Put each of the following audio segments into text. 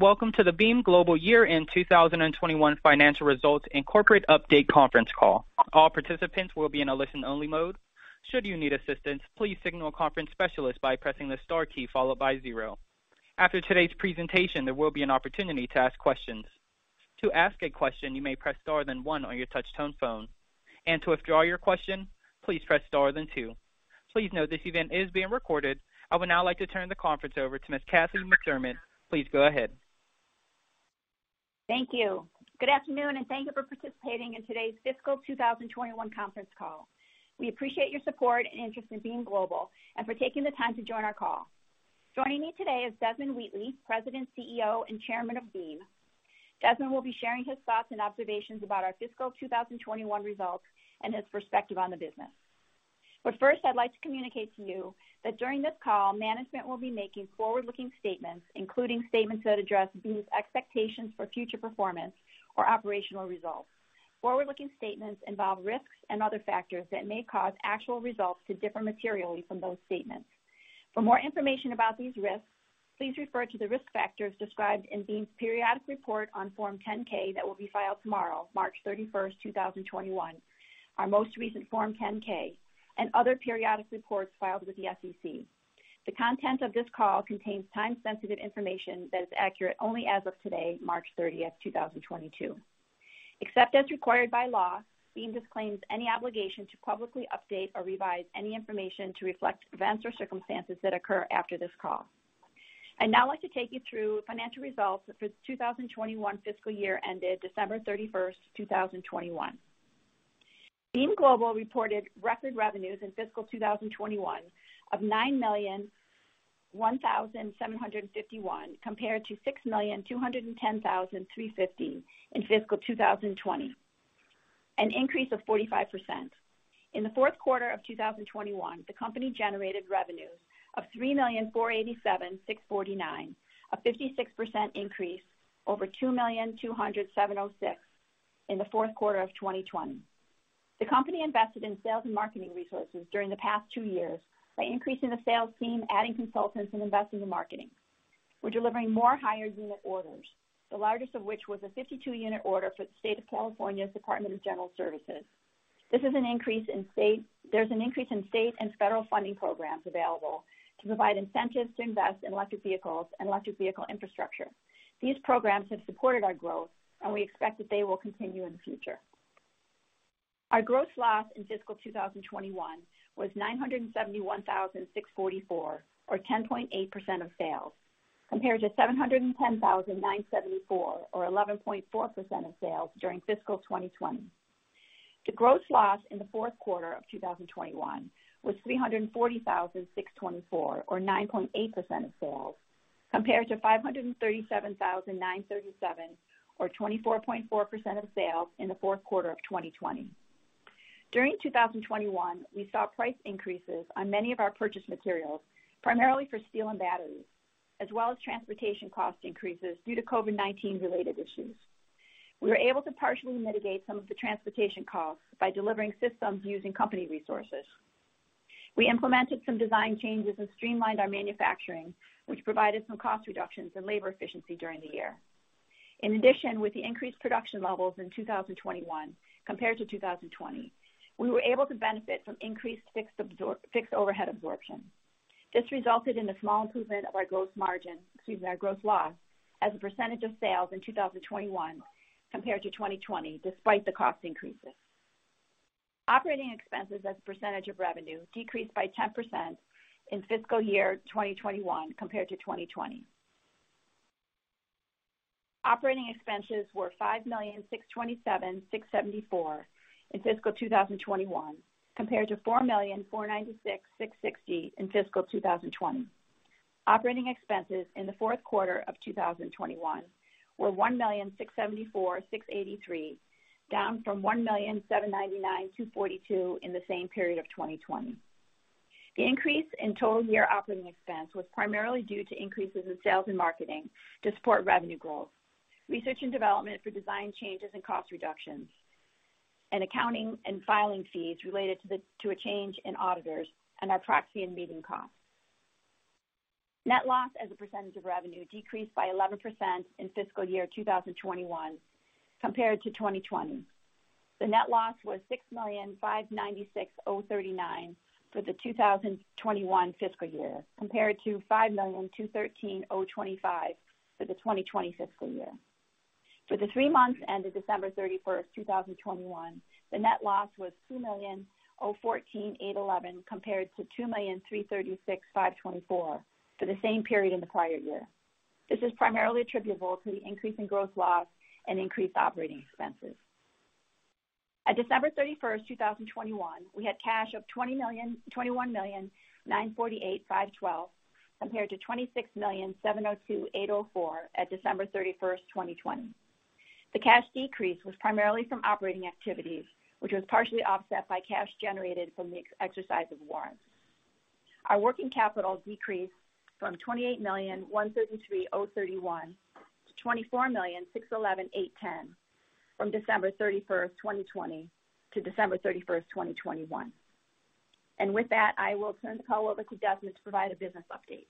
Welcome to the Beam Global year-end 2021 Financial Results and Corporate Update Conference Call. All participants will be in a listen-only mode. Should you need assistance, please signal a conference specialist by pressing the star key followed by zero. After today's presentation, there will be an opportunity to ask questions. To ask a question, you may press star then one on your touch-tone phone. To withdraw your question, please press star then two. Please note this event is being recorded. I would now like to turn the conference over to Ms. Kathy McDermott. Please go ahead. Thank you. Good afternoon, and thank you for participating in today's fiscal 2021 conference call. We appreciate your support and interest in Beam Global and for taking the time to join our call. Joining me today is Desmond Wheatley, President, CEO, and Chairman of Beam. Desmond will be sharing his thoughts and observations about our fiscal 2021 results and his perspective on the business. First, I'd like to communicate to you that during this call, management will be making forward-looking statements, including statements that address Beam's expectations for future performance or operational results. Forward-looking statements involve risks and other factors that may cause actual results to differ materially from those statements. For more information about these risks, please refer to the risk factors described in Beam's periodic report on Form 10-K that will be filed tomorrow, March 31st, 2021, our most recent Form 10-K and other periodic reports filed with the SEC. The content of this call contains time-sensitive information that is accurate only as of today, March 30th, 2022. Except as required by law, Beam disclaims any obligation to publicly update or revise any information to reflect events or circumstances that occur after this call. I'd now like to take you through financial results for the 2021 fiscal year ended December 31st, 2021. Beam Global reported record revenues in fiscal 2021 of $9,001,751, compared to $6,210,350 in fiscal 2020, an increase of 45%. In the fourth quarter of 2021, the company generated revenues of $3,487,649, a 56% increase over $2,207,006 in the fourth quarter of 2020. The company invested in sales and marketing resources during the past two years by increasing the sales team, adding consultants, and investing in marketing. We're delivering more higher unit orders, the largest of which was a 52-unit order for the State of California's Department of General Services. There's an increase in state and federal funding programs available to provide incentives to invest in electric vehicles and electric vehicle infrastructure. These programs have supported our growth, and we expect that they will continue in the future. Our gross loss in fiscal 2021 was $971,644 or 10.8% of sales, compared to $710,974 or 11.4% of sales during fiscal 2021. The gross loss in the fourth quarter of 2021 was $340,624 or 9.8% of sales, compared to $537,937 or 24.4% of sales in the fourth quarter of 2021. During 2021, we saw price increases on many of our purchase materials, primarily for steel and batteries, as well as transportation cost increases due to COVID-19 related issues. We were able to partially mitigate some of the transportation costs by delivering systems using company resources. We implemented some design changes and streamlined our manufacturing, which provided some cost reductions in labor efficiency during the year. In addition, with the increased production levels in 2021 compared to 2020, we were able to benefit from increased fixed overhead absorption. This resulted in a small improvement of our gross margin, excuse me, our gross loss as a percentage of sales in 2021 compared to 2020, despite the cost increases. Operating expenses as a percentage of revenue decreased by 10% in fiscal year 2021 compared to 2020. Operating expenses were $5,627,674 in fiscal 2021, compared to $4,496,660 in fiscal 2020. Operating expenses in the fourth quarter of 2021 were $1,674,683, down from $1,799,242 in the same period of 2020. The increase in total year operating expense was primarily due to increases in sales and marketing to support revenue goals, research and development for design changes and cost reductions, and accounting and filing fees related to a change in auditors and our proxy and meeting costs. Net loss as a percentage of revenue decreased by 11% in fiscal year 2021 compared to 2020. The net loss was $6,596,039 for the 2021 fiscal year, compared to $5,213,025 for the 2020 fiscal year. For the three months ended December 31st, 2021, the net loss was $2,014,811, compared to $2,336,524 for the same period in the prior year. This is primarily attributable to the increase in gross loss and increased operating expenses. At December 31st, 2021, we had cash of $21,948,512 compared to $26,702,804 at December 31st, 2020. The cash decrease was primarily from operating activities, which was partially offset by cash generated from the exercise of warrants. Our working capital decreased from $28,133,031 to $24,611,810 from December 31st, 2020, to December 31st, 2021. With that, I will turn the call over to Desmond to provide a business update.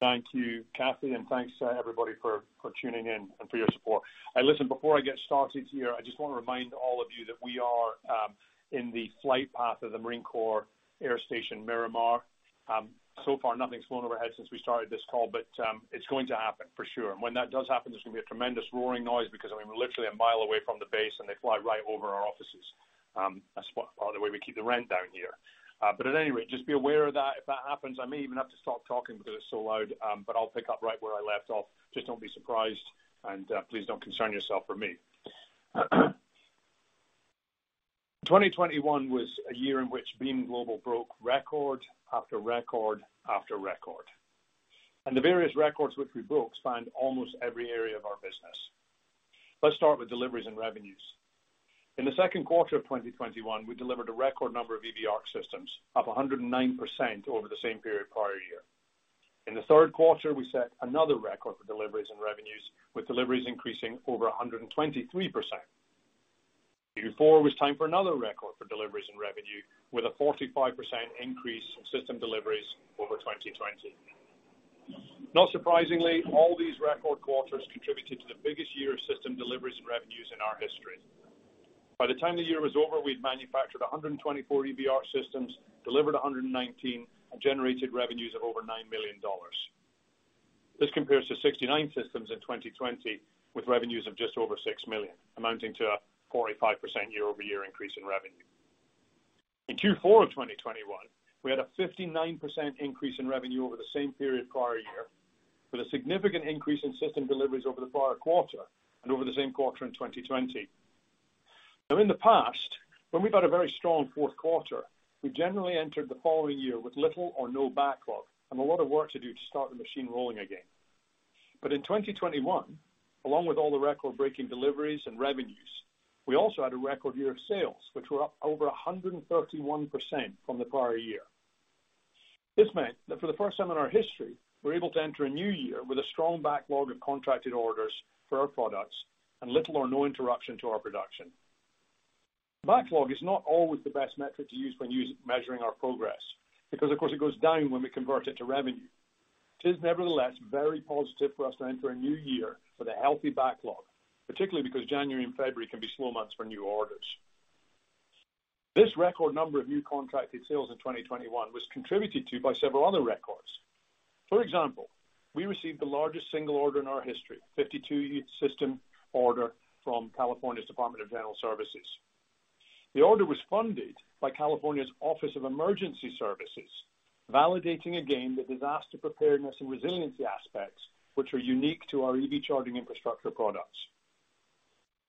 Thank you, Cathy, and thanks to everybody for tuning in and for your support. Listen, before I get started here, I just wanna remind all of you that we are in the flight path of the Marine Corps Air Station Miramar. So far, nothing's flown overhead since we started this call, but it's going to happen for sure. When that does happen, there's gonna be a tremendous roaring noise because, I mean, we're literally a mile away from the base, and they fly right over our offices. That's part of the way we keep the rent down here. But at any rate, just be aware of that. If that happens, I may even have to stop talking because it's so loud, but I'll pick up right where I left off. Just don't be surprised, and, please don't concern yourself for me. 2021 was a year in which Beam Global broke record after record after record. The various records which we broke spanned almost every area of our business. Let's start with deliveries and revenues. In the second quarter of 2021, we delivered a record number of EV ARC systems, up 109% over the same period prior year. In the third quarter, we set another record for deliveries and revenues, with deliveries increasing over 123%. Q4 was time for another record for deliveries and revenue, with a 45% increase in system deliveries over 2020. Not surprisingly, all these record quarters contributed to the biggest year of system deliveries and revenues in our history. By the time the year was over, we'd manufactured 124 EV ARC systems, delivered 119, and generated revenues of over $9 million. This compares to 69 systems in 2020 with revenues of just over $6 million, amounting to a 45% year-over-year increase in revenue. In Q4 of 2021, we had a 59% increase in revenue over the same period prior year, with a significant increase in system deliveries over the prior quarter and over the same quarter in 2020. Now, in the past, when we've had a very strong fourth quarter, we generally entered the following year with little or no backlog and a lot of work to do to start the machine rolling again. In 2021, along with all the record-breaking deliveries and revenues, we also had a record year of sales, which were up over 131% from the prior year. This meant that for the first time in our history, we were able to enter a new year with a strong backlog of contracted orders for our products and little or no interruption to our production. Backlog is not always the best metric to use when you're measuring our progress because, of course, it goes down when we convert it to revenue. It is nevertheless very positive for us to enter a new year with a healthy backlog, particularly because January and February can be slow months for new orders. This record number of new contracted sales in 2021 was contributed to by several other records. For example, we received the largest single order in our history, 52-unit system order from California's Department of General Services. The order was funded by California Governor's Office of Emergency Services, validating again the disaster preparedness and resiliency aspects which are unique to our EV charging infrastructure products.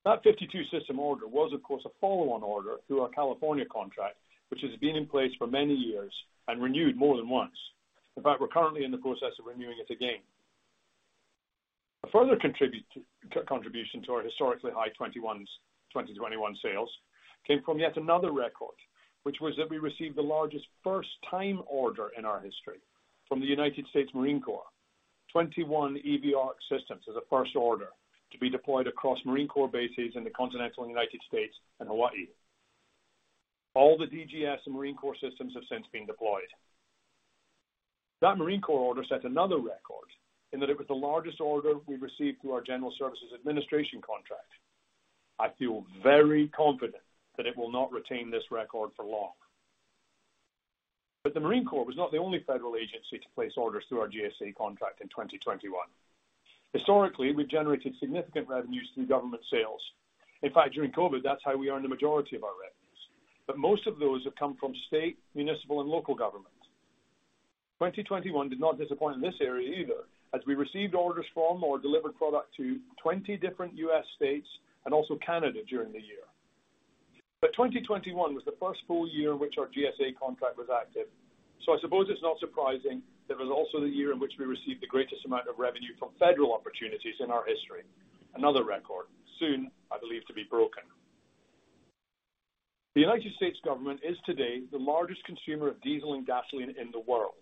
That 52-system order was, of course, a follow-on order through our California contract, which has been in place for many years and renewed more than once. In fact, we're currently in the process of renewing it again. A further contribution to our historically high 2021 sales came from yet another record, which was that we received the largest first-time order in our history from the United States Marine Corps. 21 EV ARC systems as a first order to be deployed across Marine Corps bases in the continental United States and Hawaii. All the DGS and Marine Corps systems have since been deployed. That Marine Corps order set another record in that it was the largest order we received through our General Services Administration contract. I feel very confident that it will not retain this record for long. The Marine Corps was not the only federal agency to place orders through our GSA contract in 2021. Historically, we've generated significant revenues through government sales. In fact, during COVID, that's how we earned the majority of our revenues. Most of those have come from state, municipal, and local governments. 2021 did not disappoint in this area either, as we received orders from or delivered product to 20 different U.S. states and also Canada during the year. 2021 was the first full year in which our GSA contract was active, so I suppose it's not surprising that it was also the year in which we received the greatest amount of revenue from federal opportunities in our history. Another record, soon, I believe, to be broken. The United States government is today the largest consumer of diesel and gasoline in the world.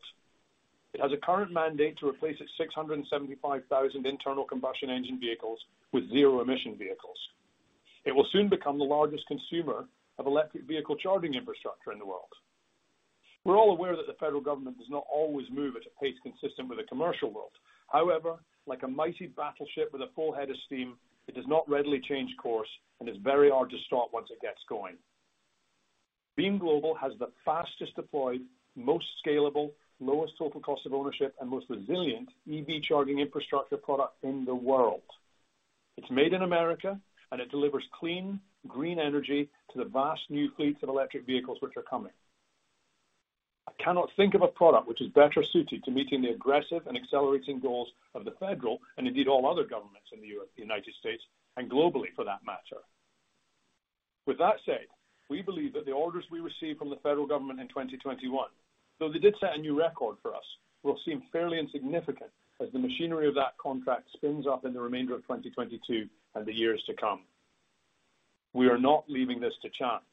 It has a current mandate to replace its 675,000 internal combustion engine vehicles with zero-emission vehicles. It will soon become the largest consumer of electric vehicle charging infrastructure in the world. We're all aware that the federal government does not always move at a pace consistent with the commercial world. However, like a mighty battleship with a full head of steam, it does not readily change course and is very hard to stop once it gets going. Beam Global has the fastest deployed, most scalable, lowest total cost of ownership, and most resilient EV charging infrastructure product in the world. It's made in America, and it delivers clean, green energy to the vast new fleets of electric vehicles which are coming. I cannot think of a product which is better suited to meeting the aggressive and accelerating goals of the federal, and indeed all other governments in the U.S., the United States and globally, for that matter. With that said, we believe that the orders we received from the federal government in 2021, though they did set a new record for us, will seem fairly insignificant as the machinery of that contract spins up in the remainder of 2022 and the years to come. We are not leaving this to chance.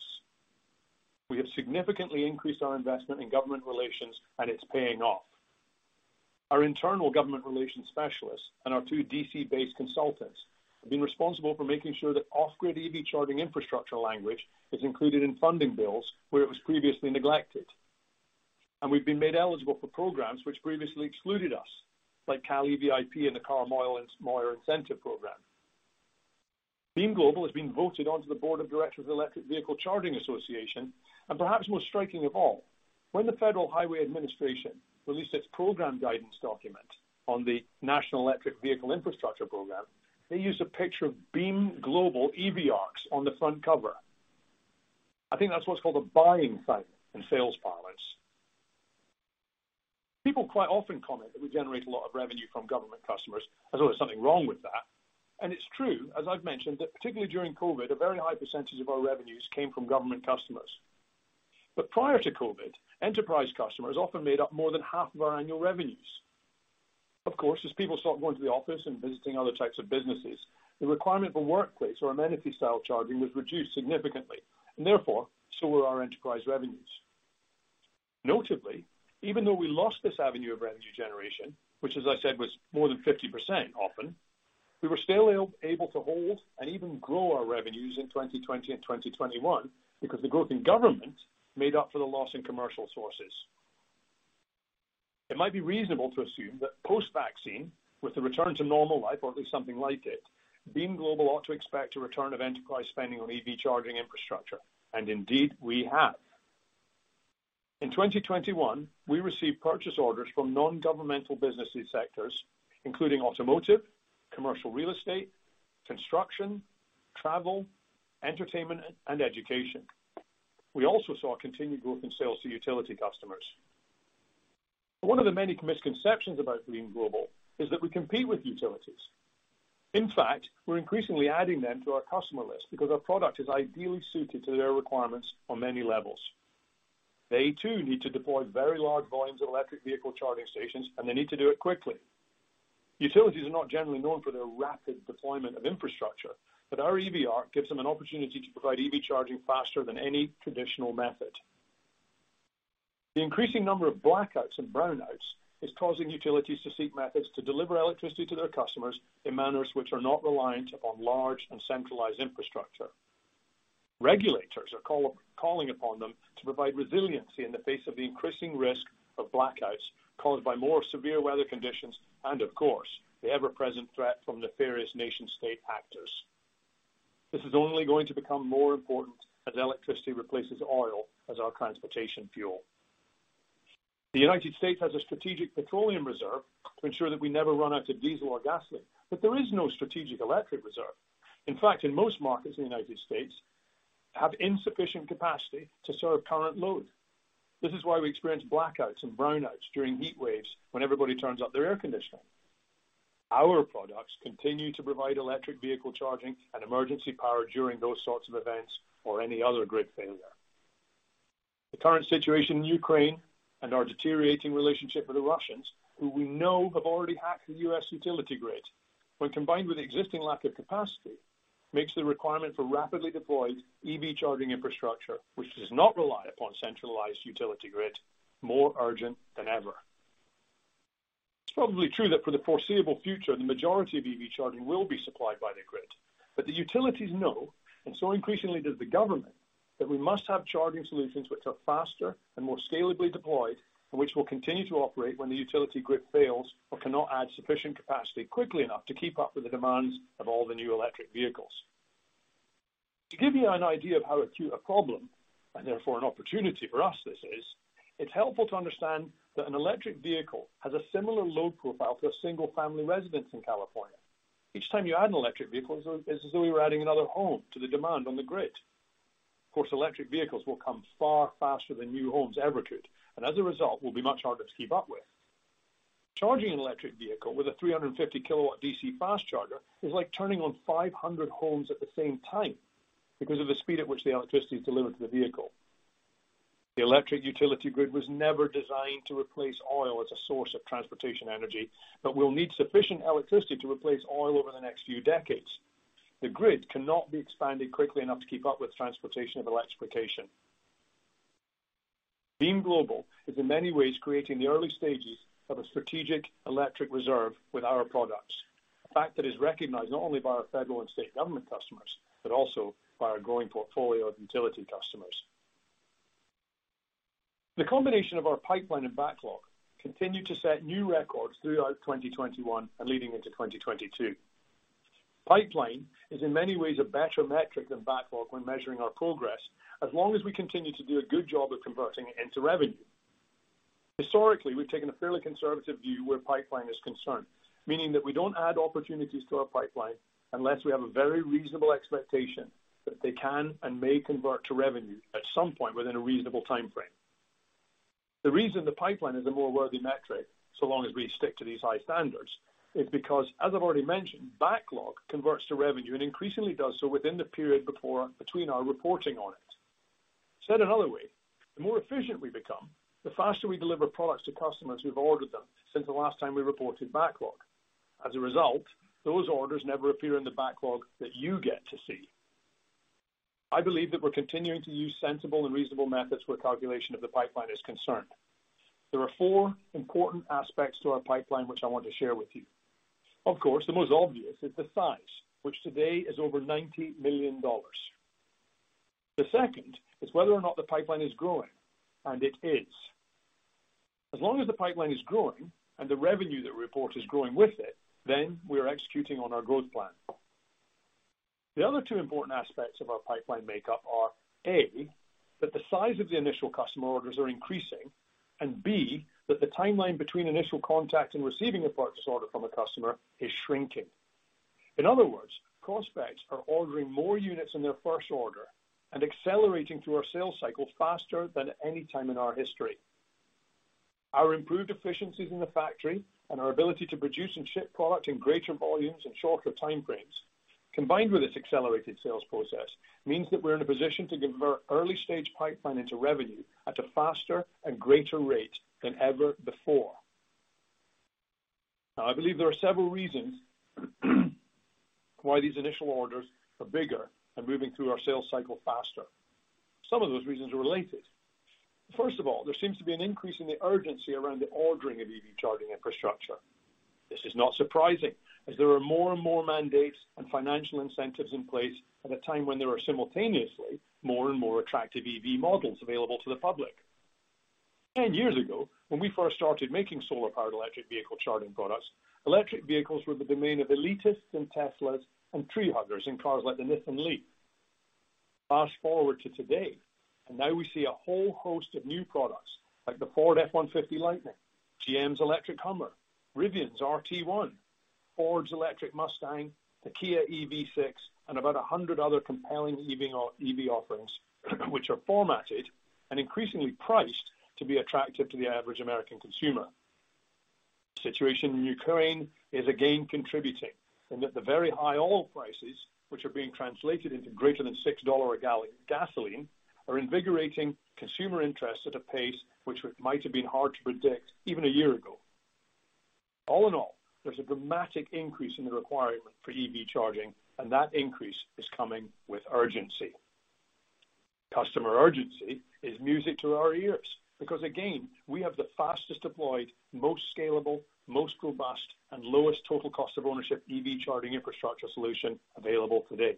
We have significantly increased our investment in government relations, and it's paying off. Our internal government relations specialists and our two D.C.-based consultants have been responsible for making sure that off-grid EV charging infrastructure language is included in funding bills where it was previously neglected. We've been made eligible for programs which previously excluded us, like CALeVIP and the Clean Miles Standard and Incentive Program. Beam Global has been voted onto the board of directors of the Electric Vehicle Charging Association. Perhaps most striking of all, when the Federal Highway Administration released its program guidance document on the National Electric Vehicle Infrastructure Program, they used a picture of Beam Global EV ARCs on the front cover. I think that's what's called a buying signal in sales parlance. People quite often comment that we generate a lot of revenue from government customers as though there's something wrong with that. It's true, as I've mentioned, that particularly during COVID, a very high percentage of our revenues came from government customers. Prior to COVID, enterprise customers often made up more than half of our annual revenues. Of course, as people stopped going to the office and visiting other types of businesses, the requirement for workplace or amenity-style charging was reduced significantly, and therefore, so were our enterprise revenues. Notably, even though we lost this avenue of revenue generation, which as I said, was more than 50% often, we were still able to hold and even grow our revenues in 2020 and 2021 because the growth in government made up for the loss in commercial sources. It might be reasonable to assume that post-vaccine, with the return to normal life or at least something like it, Beam Global ought to expect a return of enterprise spending on EV charging infrastructure, and indeed, we have. In 2021, we received purchase orders from non-governmental business sectors, including automotive, commercial real estate, construction, travel, entertainment, and education. We also saw continued growth in sales to utility customers. One of the many misconceptions about Beam Global is that we compete with utilities. In fact, we're increasingly adding them to our customer list because our product is ideally suited to their requirements on many levels. They too need to deploy very large volumes of electric vehicle charging stations, and they need to do it quickly. Utilities are not generally known for their rapid deployment of infrastructure, but our EV ARC gives them an opportunity to provide EV charging faster than any traditional method. The increasing number of blackouts and brownouts is causing utilities to seek methods to deliver electricity to their customers in manners which are not reliant upon large and centralized infrastructure. Regulators are calling upon them to provide resiliency in the face of the increasing risk of blackouts caused by more severe weather conditions and of course, the ever-present threat from nefarious nation-state actors. This is only going to become more important as electricity replaces oil as our transportation fuel. The United States has a strategic petroleum reserve to ensure that we never run out of diesel or gasoline, but there is no strategic electric reserve. In fact, in most markets in the United States have insufficient capacity to serve current load. This is why we experience blackouts and brownouts during heat waves when everybody turns up their air conditioning. Our products continue to provide electric vehicle charging and emergency power during those sorts of events or any other grid failure. The current situation in Ukraine and our deteriorating relationship with the Russians, who we know have already hacked the U.S. utility grid, when combined with existing lack of capacity, makes the requirement for rapidly deployed EV charging infrastructure, which does not rely upon centralized utility grid, more urgent than ever. It's probably true that for the foreseeable future, the majority of EV charging will be supplied by the grid. The utilities know, and so increasingly does the government, that we must have charging solutions which are faster and more scalably deployed, and which will continue to operate when the utility grid fails or cannot add sufficient capacity quickly enough to keep up with the demands of all the new electric vehicles. To give you an idea of how acute a problem, and therefore an opportunity for us this is, it's helpful to understand that an electric vehicle has a similar load profile to a single-family residence in California. Each time you add an electric vehicle, it's as though you're adding another home to the demand on the grid. Of course, electric vehicles will come far faster than new homes ever could, and as a result, will be much harder to keep up with. Charging an electric vehicle with a 350 kilowatt DC fast charger is like turning on 500 homes at the same time because of the speed at which the electricity is delivered to the vehicle. The electric utility grid was never designed to replace oil as a source of transportation energy, but we'll need sufficient electricity to replace oil over the next few decades. The grid cannot be expanded quickly enough to keep up with transportation electrification. Beam Global is in many ways creating the early stages of a strategic electric reserve with our products. A fact that is recognized not only by our federal and state government customers, but also by our growing portfolio of utility customers. The combination of our pipeline and backlog continue to set new records throughout 2021 and leading into 2022. Pipeline is in many ways a better metric than backlog when measuring our progress, as long as we continue to do a good job of converting it into revenue. Historically, we've taken a fairly conservative view where pipeline is concerned, meaning that we don't add opportunities to our pipeline unless we have a very reasonable expectation that they can and may convert to revenue at some point within a reasonable time frame. The reason the pipeline is a more worthy metric, so long as we stick to these high standards, is because, as I've already mentioned, backlog converts to revenue and increasingly does so within the period between our reporting on it. Said another way, the more efficient we become, the faster we deliver products to customers who've ordered them since the last time we reported backlog. As a result, those orders never appear in the backlog that you get to see. I believe that we're continuing to use sensible and reasonable methods where calculation of the pipeline is concerned. There are four important aspects to our pipeline which I want to share with you. Of course, the most obvious is the size, which today is over $90 million. The second is whether or not the pipeline is growing, and it is. As long as the pipeline is growing and the revenue that we report is growing with it, then we are executing on our growth plan. The other two important aspects of our pipeline makeup are, A, that the size of the initial customer orders are increasing, and B, that the timeline between initial contact and receiving a purchase order from a customer is shrinking. In other words, prospects are ordering more units in their first order and accelerating through our sales cycle faster than any time in our history. Our improved efficiencies in the factory and our ability to produce and ship product in greater volumes and shorter time frames, combined with this accelerated sales process, means that we're in a position to convert early stage pipeline into revenue at a faster and greater rate than ever before. Now I believe there are several reasons why these initial orders are bigger and moving through our sales cycle faster. Some of those reasons are related. First of all, there seems to be an increase in the urgency around the ordering of EV charging infrastructure. This is not surprising, as there are more and more mandates and financial incentives in place at a time when there are simultaneously more and more attractive EV models available to the public. Ten years ago, when we first started making solar-powered electric vehicle charging products, electric vehicles were the domain of elitists in Teslas and tree huggers in cars like the Nissan LEAF. Fast-forward to today, and now we see a whole host of new products like the Ford F-150 Lightning, GM's electric HUMMER EV, Rivian's R1T, Ford's Mustang Mach-E, the Kia EV6, and about 100 other compelling EV offerings which are formatted and increasingly priced to be attractive to the average American consumer. Situation in Ukraine is again contributing, and that the very high oil prices, which are being translated into greater than $6 a gallon gasoline, are invigorating consumer interest at a pace which might have been hard to predict even a year ago. All in all, there's a dramatic increase in the requirement for EV charging, and that increase is coming with urgency. Customer urgency is music to our ears because, again, we have the fastest deployed, most scalable, most robust, and lowest total cost of ownership EV charging infrastructure solution available today.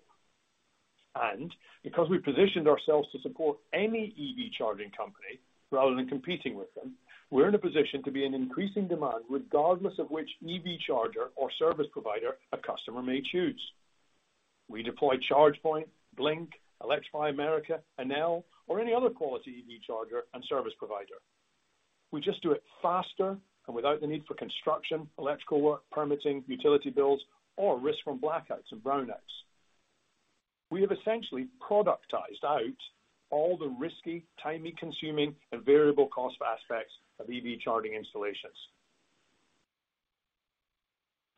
Because we positioned ourselves to support any EV charging company rather than competing with them, we're in a position to be in increasing demand regardless of which EV charger or service provider a customer may choose. We deploy ChargePoint, Blink, Electrify America, Enel, or any other quality EV charger and service provider. We just do it faster and without the need for construction, electrical work, permitting, utility bills, or risk from blackouts and brownouts. We have essentially productized out all the risky, time-consuming, and variable cost aspects of EV charging installations.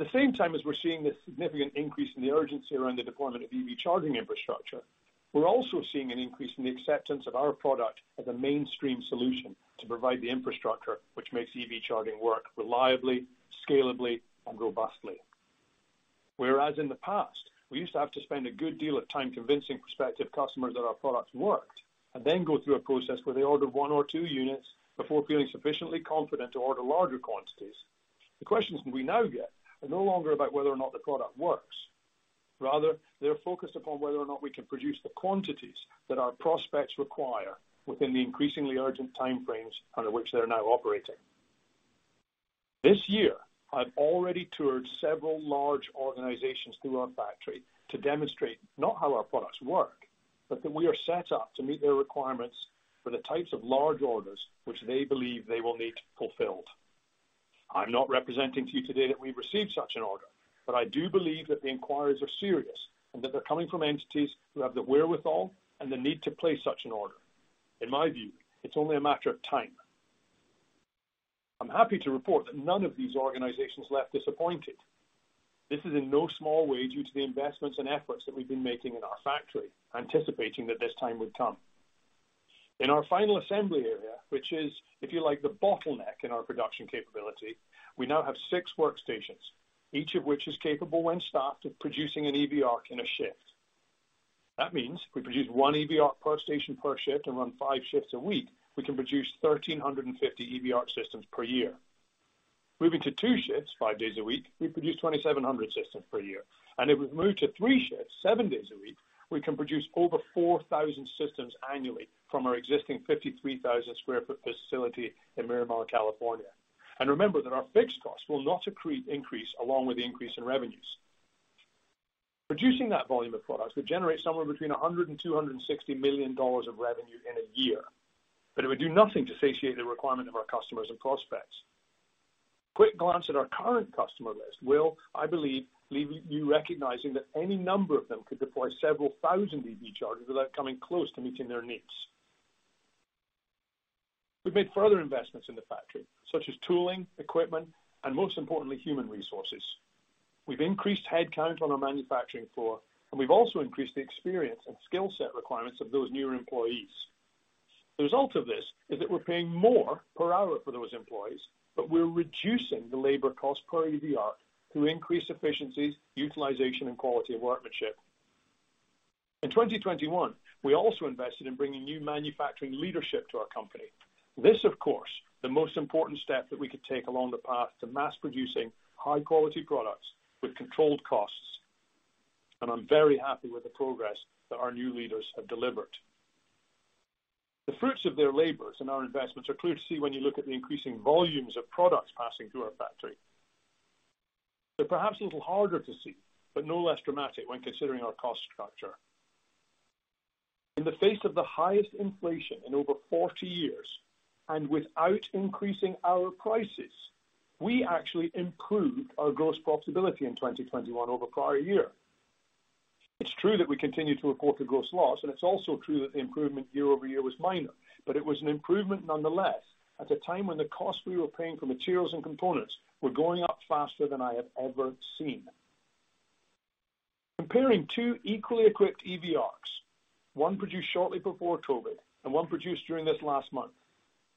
At the same time as we're seeing this significant increase in the urgency around the deployment of EV charging infrastructure, we're also seeing an increase in the acceptance of our product as a mainstream solution to provide the infrastructure which makes EV charging work reliably, scalably, and robustly. Whereas in the past, we used to have to spend a good deal of time convincing prospective customers that our products worked and then go through a process where they order one or two units before feeling sufficiently confident to order larger quantities. The questions we now get are no longer about whether or not the product works. Rather, they're focused upon whether or not we can produce the quantities that our prospects require within the increasingly urgent time frames under which they're now operating. This year, I've already toured several large organizations through our factory to demonstrate not how our products work, but that we are set up to meet their requirements for the types of large orders which they believe they will need fulfilled. I'm not representing to you today that we've received such an order, but I do believe that the inquiries are serious and that they're coming from entities who have the wherewithal and the need to place such an order. In my view, it's only a matter of time. I'm happy to report that none of these organizations left disappointed. This is in no small way due to the investments and efforts that we've been making in our factory, anticipating that this time would come. In our final assembly area, which is, if you like, the bottleneck in our production capability, we now have six workstations, each of which is capable when staffed of producing an EV ARC in a shift. That means if we produce one EV ARC per station per shift and run five shifts a week, we can produce 1,350 EV ARC systems per year. Moving to two shifts, five days a week, we produce 2,700 systems per year. If we move to three shifts, seven days a week, we can produce over 4,000 systems annually from our existing 53,000 sq ft facility in Mira Loma, California. Remember that our fixed costs will not increase along with the increase in revenues. Producing that volume of products would generate somewhere between $100 million-$260 million of revenue in a year, but it would do nothing to satiate the requirement of our customers and prospects. Quick glance at our current customer list will, I believe, leave you recognizing that any number of them could deploy several thousand EV chargers without coming close to meeting their needs. We've made further investments in the factory, such as tooling, equipment, and most importantly, human resources. We've increased headcount on our manufacturing floor, and we've also increased the experience and skill set requirements of those newer employees. The result of this is that we're paying more per hour for those employees, but we're reducing the labor cost per EV ARC through increased efficiencies, utilization, and quality of workmanship. In 2021, we also invested in bringing new manufacturing leadership to our company. This, of course, the most important step that we could take along the path to mass-producing high-quality products with controlled costs. I'm very happy with the progress that our new leaders have delivered. The fruits of their labors and our investments are clear to see when you look at the increasing volumes of products passing through our factory. They're perhaps a little harder to see, but no less dramatic when considering our cost structure. In the face of the highest inflation in over 40 years, and without increasing our prices, we actually improved our gross profitability in 2021 over prior year. It's true that we continue to report a gross loss, and it's also true that the improvement year-over-year was minor, but it was an improvement nonetheless, at a time when the cost we were paying for materials and components were going up faster than I have ever seen. Comparing two equally equipped EV ARC, one produced shortly before COVID and one produced during this last month,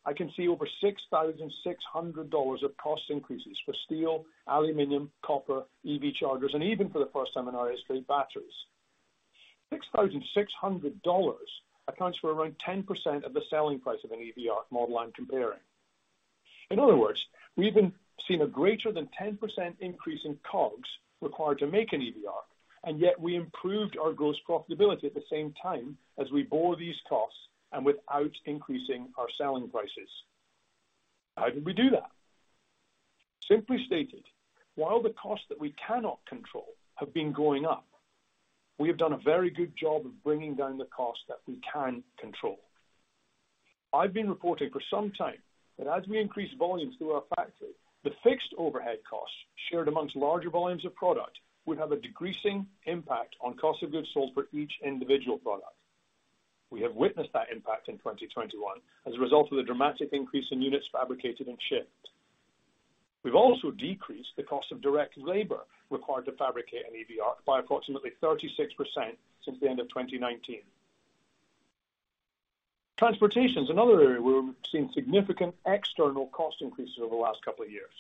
I can see over $6,600 of cost increases for steel, aluminum, copper, EV chargers, and even for the first time in our history, batteries. $6,600 accounts for around 10% of the selling price of an EV ARC model I'm comparing. In other words, we've been seeing a greater than 10% increase in COGS required to make an EV ARC, and yet we improved our gross profitability at the same time as we bore these costs and without increasing our selling prices. How did we do that? Simply stated, while the costs that we cannot control have been going up, we have done a very good job of bringing down the costs that we can control. I've been reporting for some time that as we increase volumes through our factory, the fixed overhead costs shared amongst larger volumes of product would have a decreasing impact on cost of goods sold for each individual product. We have witnessed that impact in 2021 as a result of the dramatic increase in units fabricated and shipped. We've also decreased the cost of direct labor required to fabricate an EV ARC by approximately 36% since the end of 2019. Transportation is another area where we've seen significant external cost increases over the last couple of years.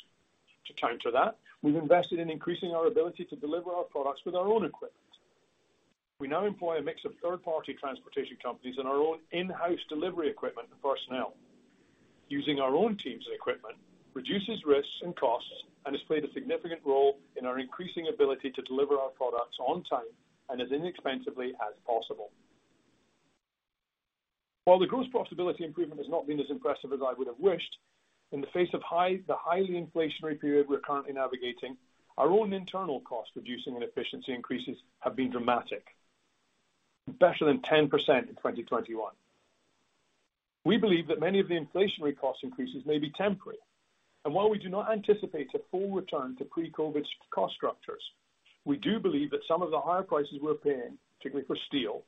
To counter that, we've invested in increasing our ability to deliver our products with our own equipment. We now employ a mix of third-party transportation companies and our own in-house delivery equipment and personnel. Using our own teams and equipment reduces risks and costs and has played a significant role in our increasing ability to deliver our products on time and as inexpensively as possible. While the gross profitability improvement has not been as impressive as I would have wished, in the face of the highly inflationary period we're currently navigating, our own internal cost reducing and efficiency increases have been dramatic, better than 10% in 2021. We believe that many of the inflationary cost increases may be temporary. While we do not anticipate a full return to pre-COVID cost structures, we do believe that some of the higher prices we're paying, particularly for steel,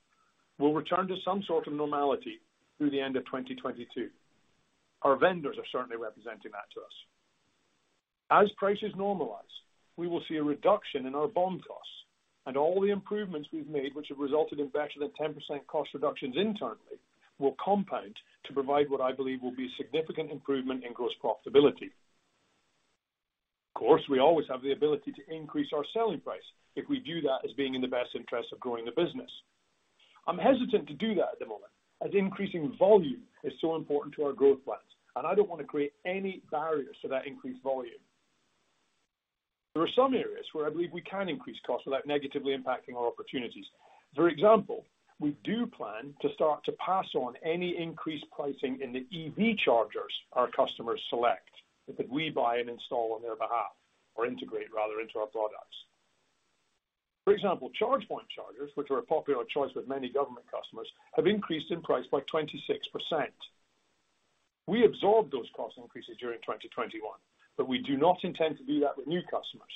will return to some sort of normality through the end of 2022. Our vendors are certainly representing that to us. As prices normalize, we will see a reduction in our BOM costs and all the improvements we've made, which have resulted in better than 10% cost reductions internally, will compound to provide what I believe will be significant improvement in gross profitability. Of course, we always have the ability to increase our selling price if we view that as being in the best interest of growing the business. I'm hesitant to do that at the moment as increasing volume is so important to our growth plans, and I don't wanna create any barriers to that increased volume. There are some areas where I believe we can increase costs without negatively impacting our opportunities. For example, we do plan to start to pass on any increased pricing in the EV chargers our customers select that we buy and install on their behalf or integrate rather into our products. For example, ChargePoint chargers, which are a popular choice with many government customers, have increased in price by 26%. We absorbed those cost increases during 2021, but we do not intend to do that with new customers.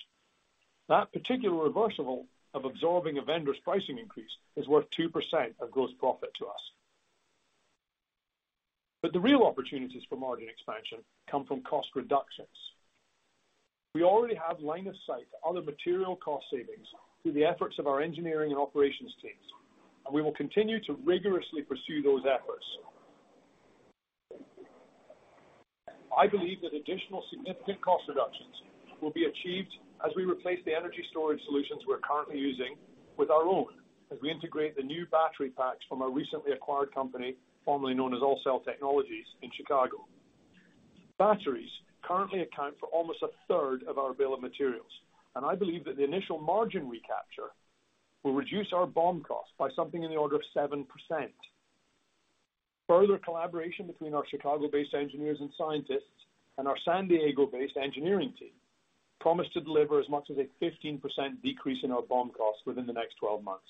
That particular reversal of absorbing a vendor's pricing increase is worth 2% of gross profit to us. The real opportunities for margin expansion come from cost reductions. We already have line of sight to other material cost savings through the efforts of our engineering and operations teams, and we will continue to rigorously pursue those efforts. I believe that additional significant cost reductions will be achieved as we replace the energy storage solutions we're currently using with our own as we integrate the new battery packs from our recently acquired company, formerly known as AllCell Technologies in Chicago. Batteries currently account for almost a third of our bill of materials, and I believe that the initial margin recapture will reduce our BOM cost by something in the order of 7%. Further collaboration between our Chicago-based engineers and scientists and our San Diego-based engineering team promise to deliver as much as a 15% decrease in our BOM costs within the next 12 months.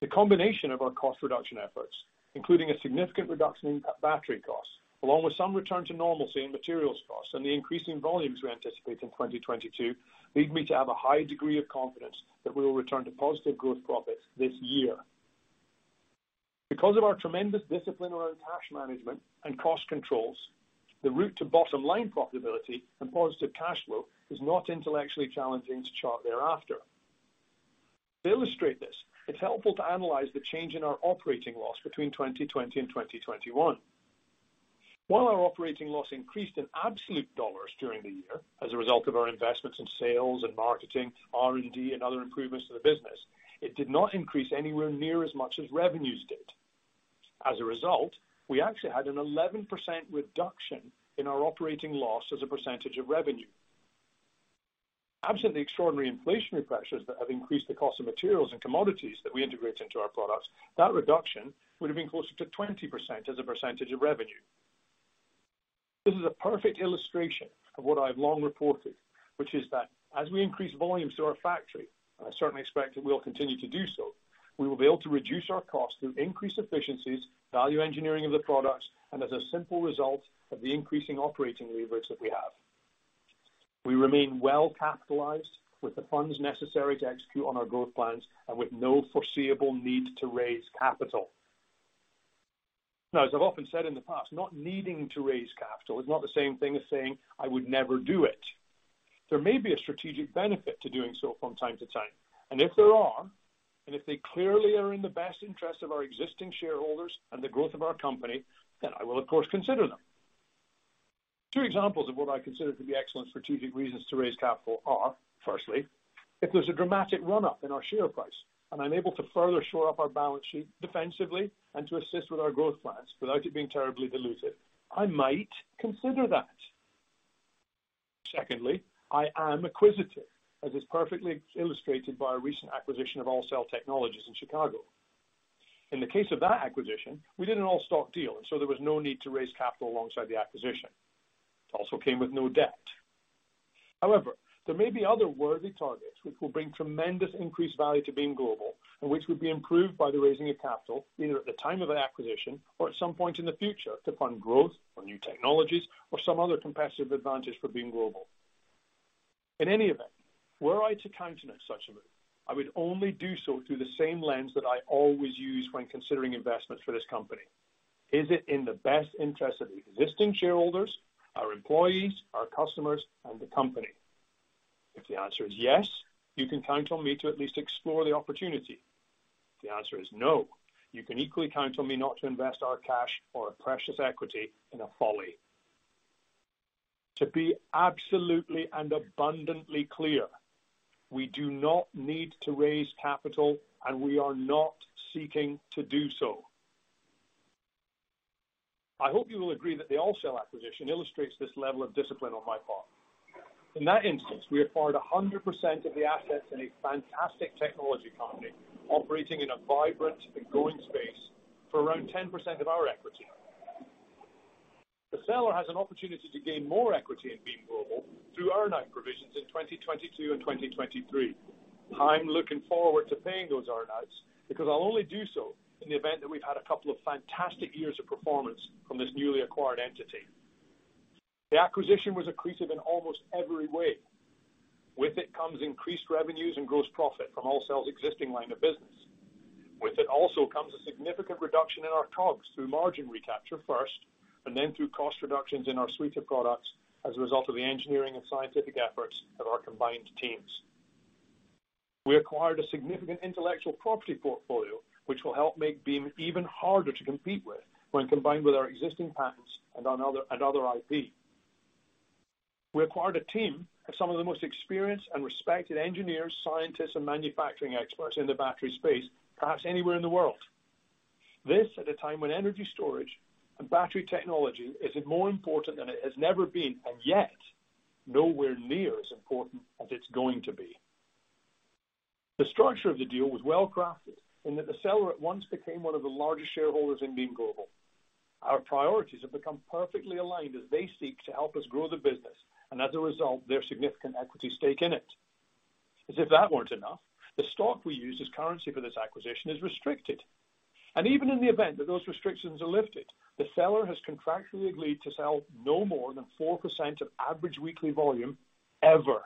The combination of our cost reduction efforts, including a significant reduction in battery costs, along with some return to normalcy in materials costs and the increasing volumes we anticipate in 2022, lead me to have a high degree of confidence that we will return to positive growth profits this year. Because of our tremendous discipline around cash management and cost controls, the route to bottom-line profitability and positive cash flow is not intellectually challenging to chart thereafter. To illustrate this, it's helpful to analyze the change in our operating loss between 2020 and 2021. While our operating loss increased in absolute dollars during the year as a result of our investments in sales and marketing, R&D, and other improvements to the business, it did not increase anywhere near as much as revenues did. As a result, we actually had an 11% reduction in our operating loss as a percentage of revenue. Absent the extraordinary inflationary pressures that have increased the cost of materials and commodities that we integrate into our products, that reduction would have been closer to 20% as a percentage of revenue. This is a perfect illustration of what I've long reported, which is that as we increase volumes to our factory, and I certainly expect that we'll continue to do so, we will be able to reduce our costs through increased efficiencies, value engineering of the products, and as a simple result of the increasing operating leverage that we have. We remain well-capitalized with the funds necessary to execute on our growth plans and with no foreseeable need to raise capital. Now, as I've often said in the past, not needing to raise capital is not the same thing as saying I would never do it. There may be a strategic benefit to doing so from time to time. If there are, and if they clearly are in the best interest of our existing shareholders and the growth of our company, then I will of course consider them. Two examples of what I consider to be excellent strategic reasons to raise capital are, firstly, if there's a dramatic run-up in our share price and I'm able to further shore up our balance sheet defensively and to assist with our growth plans without it being terribly dilutive, I might consider that. Secondly, I am acquisitive, as is perfectly illustrated by our recent acquisition of AllCell Technologies in Chicago. In the case of that acquisition, we did an all-stock deal, and so there was no need to raise capital alongside the acquisition. It also came with no debt. However, there may be other worthy targets which will bring tremendous increased value to Beam Global and which would be improved by the raising of capital, either at the time of an acquisition or at some point in the future to fund growth or new technologies or some other competitive advantage for Beam Global. In any event, were I to countenance such a move, I would only do so through the same lens that I always use when considering investments for this company. Is it in the best interest of the existing shareholders, our employees, our customers, and the company? If the answer is yes, you can count on me to at least explore the opportunity. If the answer is no, you can equally count on me not to invest our cash or our precious equity in a folly. To be absolutely and abundantly clear, we do not need to raise capital, and we are not seeking to do so. I hope you will agree that the AllCell acquisition illustrates this level of discipline on my part. In that instance, we acquired 100% of the assets in a fantastic technology company operating in a vibrant and growing space for around 10% of our equity. The seller has an opportunity to gain more equity in Beam Global through earn-out provisions in 2022 and 2023. I'm looking forward to paying those earn-outs because I'll only do so in the event that we've had a couple of fantastic years of performance from this newly acquired entity. The acquisition was accretive in almost every way. With it comes increased revenues and gross profit from AllCell's existing line of business. With it also comes a significant reduction in our COGS through margin recapture first, and then through cost reductions in our suite of products as a result of the engineering and scientific efforts of our combined teams. We acquired a significant intellectual property portfolio, which will help make Beam even harder to compete with when combined with our existing patents and other IP. We acquired a team of some of the most experienced and respected engineers, scientists, and manufacturing experts in the battery space, perhaps anywhere in the world. This at a time when energy storage and battery technology is more important than it has never been, and yet nowhere near as important as it's going to be. The structure of the deal was well-crafted in that the seller at once became one of the largest shareholders in Beam Global. Our priorities have become perfectly aligned as they seek to help us grow the business and as a result, their significant equity stake in it. As if that weren't enough, the stock we used as currency for this acquisition is restricted. Even in the event that those restrictions are lifted, the seller has contractually agreed to sell no more than 4% of average weekly volume ever.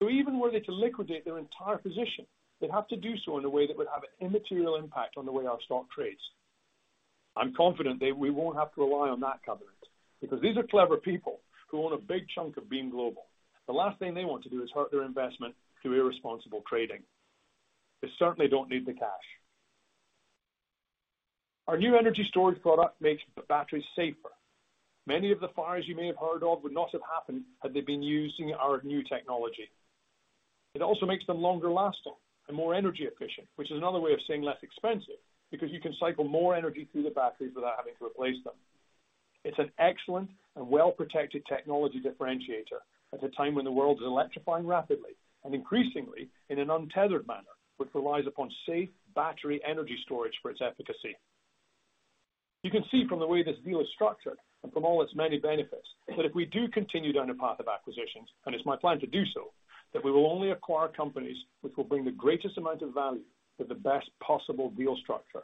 Even were they to liquidate their entire position, they'd have to do so in a way that would have an immaterial impact on the way our stock trades. I'm confident that we won't have to rely on that covenant because these are clever people who own a big chunk of Beam Global. The last thing they want to do is hurt their investment through irresponsible trading. They certainly don't need the cash. Our new energy storage product makes the batteries safer. Many of the fires you may have heard of would not have happened had they been using our new technology. It also makes them longer lasting and more energy efficient, which is another way of saying less expensive because you can cycle more energy through the batteries without having to replace them. It's an excellent and well-protected technology differentiator at a time when the world is electrifying rapidly and increasingly in an untethered manner, which relies upon safe battery energy storage for its efficacy. You can see from the way this deal is structured and from all its many benefits that if we do continue down a path of acquisitions, and it's my plan to do so, that we will only acquire companies which will bring the greatest amount of value with the best possible deal structure.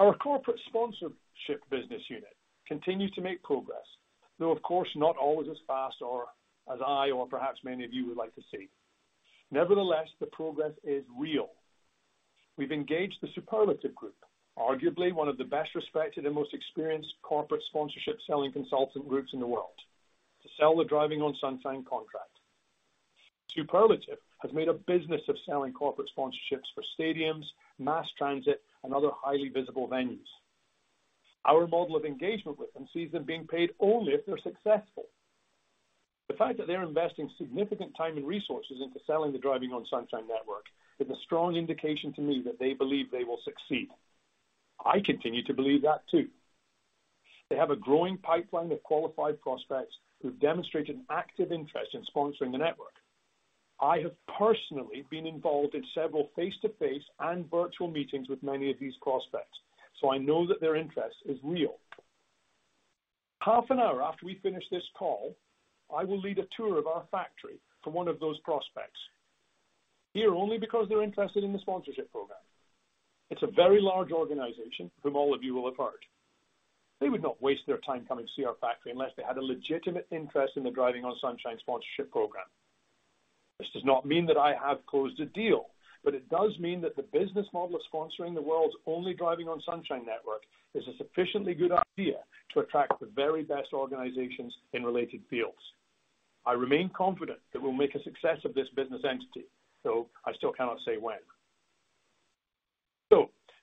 Our corporate sponsorship business unit continues to make progress, though of course not always as fast or as I or perhaps many of you would like to see. Nevertheless, the progress is real. We've engaged The Superlative Group, arguably one of the best respected and most experienced corporate sponsorship selling consultant groups in the world, to sell the Driving on Sunshine contract. Superlative has made a business of selling corporate sponsorships for stadiums, mass transit, and other highly visible venues. Our model of engagement with them sees them being paid only if they're successful. The fact that they're investing significant time and resources into selling the Driving on Sunshine network is a strong indication to me that they believe they will succeed. I continue to believe that, too. They have a growing pipeline of qualified prospects who have demonstrated an active interest in sponsoring the network. I have personally been involved in several face-to-face and virtual meetings with many of these prospects, so I know that their interest is real. Half an hour after we finish this call, I will lead a tour of our factory for one of those prospects here only because they're interested in the sponsorship program. It's a very large organization whom all of you will have heard. They would not waste their time coming to see our factory unless they had a legitimate interest in the Driving on Sunshine sponsorship program. This does not mean that I have closed a deal, but it does mean that the business model of sponsoring the world's only Driving on Sunshine network is a sufficiently good idea to attract the very best organizations in related fields. I remain confident that we'll make a success of this business entity, though I still cannot say when.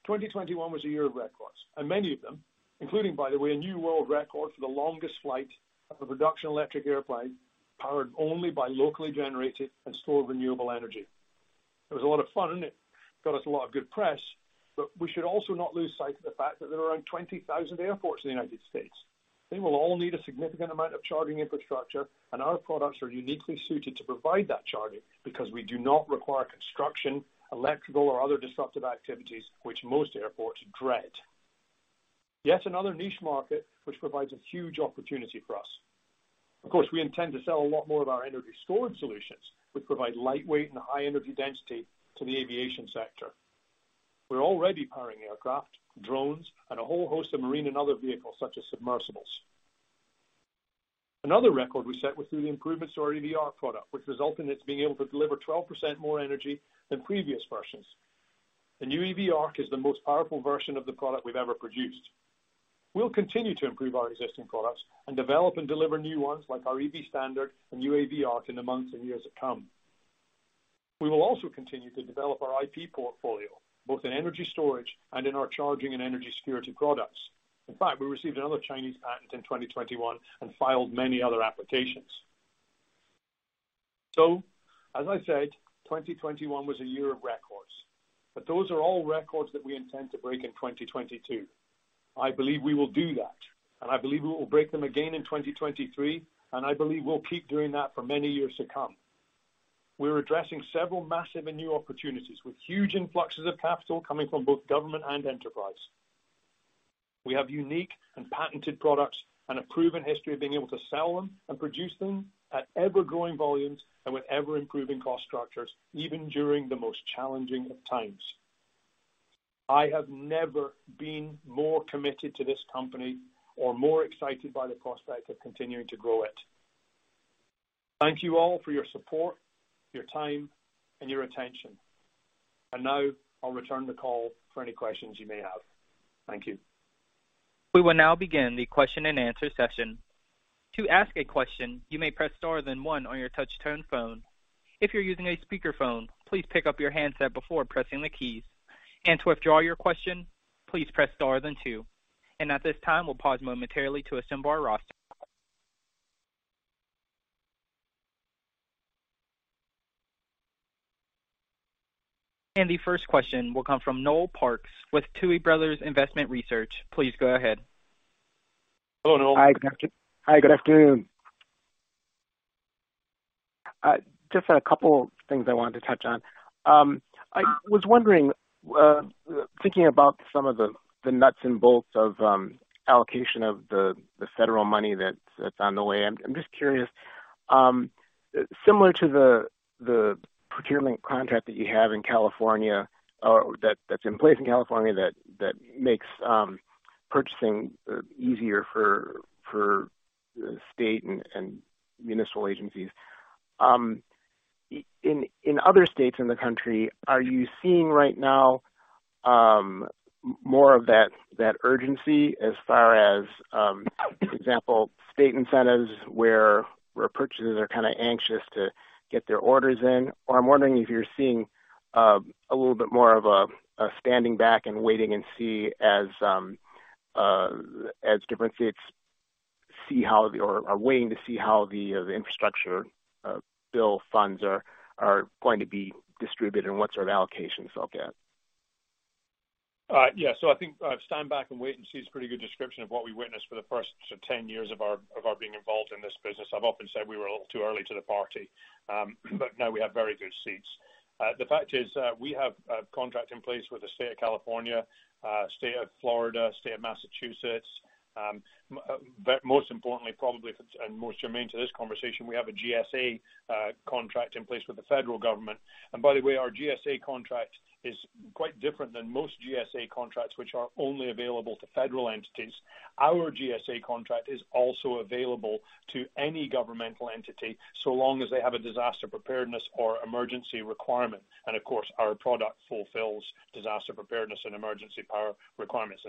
2021 was a year of records, and many of them, including, by the way, a new world record for the longest flight of a production electric airplane powered only by locally generated and stored renewable energy. It was a lot of fun. It got us a lot of good press, but we should also not lose sight of the fact that there are around 20,000 airports in the United States. They will all need a significant amount of charging infrastructure, and our products are uniquely suited to provide that charging because we do not require construction, electrical or other disruptive activities which most airports dread. Yet another niche market which provides a huge opportunity for us. Of course, we intend to sell a lot more of our energy storage solutions, which provide lightweight and high energy density to the aviation sector. We're already powering aircraft, drones, and a whole host of marine and other vehicles, such as submersibles. Another record we set was through the improvements to our EV ARC product, which result in it being able to deliver 12% more energy than previous versions. The new EV ARC is the most powerful version of the product we've ever produced. We'll continue to improve our existing products and develop and deliver new ones, like our EV Standard and new EV ARC, in the months and years to come. We will also continue to develop our IP portfolio, both in energy storage and in our charging and energy security products. In fact, we received another Chinese patent in 2021 and filed many other applications. As I said, 2021 was a year of records, but those are all records that we intend to break in 2022. I believe we will do that, and I believe we will break them again in 2023, and I believe we'll keep doing that for many years to come. We're addressing several massive and new opportunities with huge influxes of capital coming from both government and enterprise. We have unique and patented products and a proven history of being able to sell them and produce them at ever-growing volumes and with ever-improving cost structures, even during the most challenging of times. I have never been more committed to this company or more excited by the prospect of continuing to grow it. Thank you all for your support, your time, and your attention. Now I'll return the call for any questions you may have. Thank you. We will now begin the question-and-answer session. To ask a question, you may press star then one on your touch-tone phone. If you're using a speakerphone, please pick up your handset before pressing the keys. To withdraw your question, please press star then two. At this time, we'll pause momentarily to assemble our roster. The first question will come from Noel Parks with Tuohy Brothers Investment Research. Please go ahead. Hello, Noel. Hi, good afternoon. Just had a couple things I wanted to touch on. I was wondering, thinking about some of the nuts and bolts of allocation of the federal money that's on the way. I'm just curious, similar to the procurement contract that you have in California or that's in place in California that makes purchasing easier for state and municipal agencies. In other states in the country, are you seeing right now more of that urgency as far as, for example, state incentives where purchasers are kinda anxious to get their orders in? I'm wondering if you're seeing a little bit more of a standing back and waiting and see as different states are waiting to see how the infrastructure bill funds are going to be distributed and what sort of allocations they'll get. I think stand back and wait and see is a pretty good description of what we witnessed for the first sort of 10 years of our being involved in this business. I've often said we were a little too early to the party. Now we have very good seats. The fact is, we have a contract in place with the State of California, State of Florida, State of Massachusetts, but most importantly, probably and most germane to this conversation, we have a GSA contract in place with the federal government. By the way, our GSA contract is quite different than most GSA contracts, which are only available to federal entities. Our GSA contract is also available to any governmental entity, so long as they have a disaster preparedness or emergency requirement. Of course, our product fulfills disaster preparedness and emergency power requirements.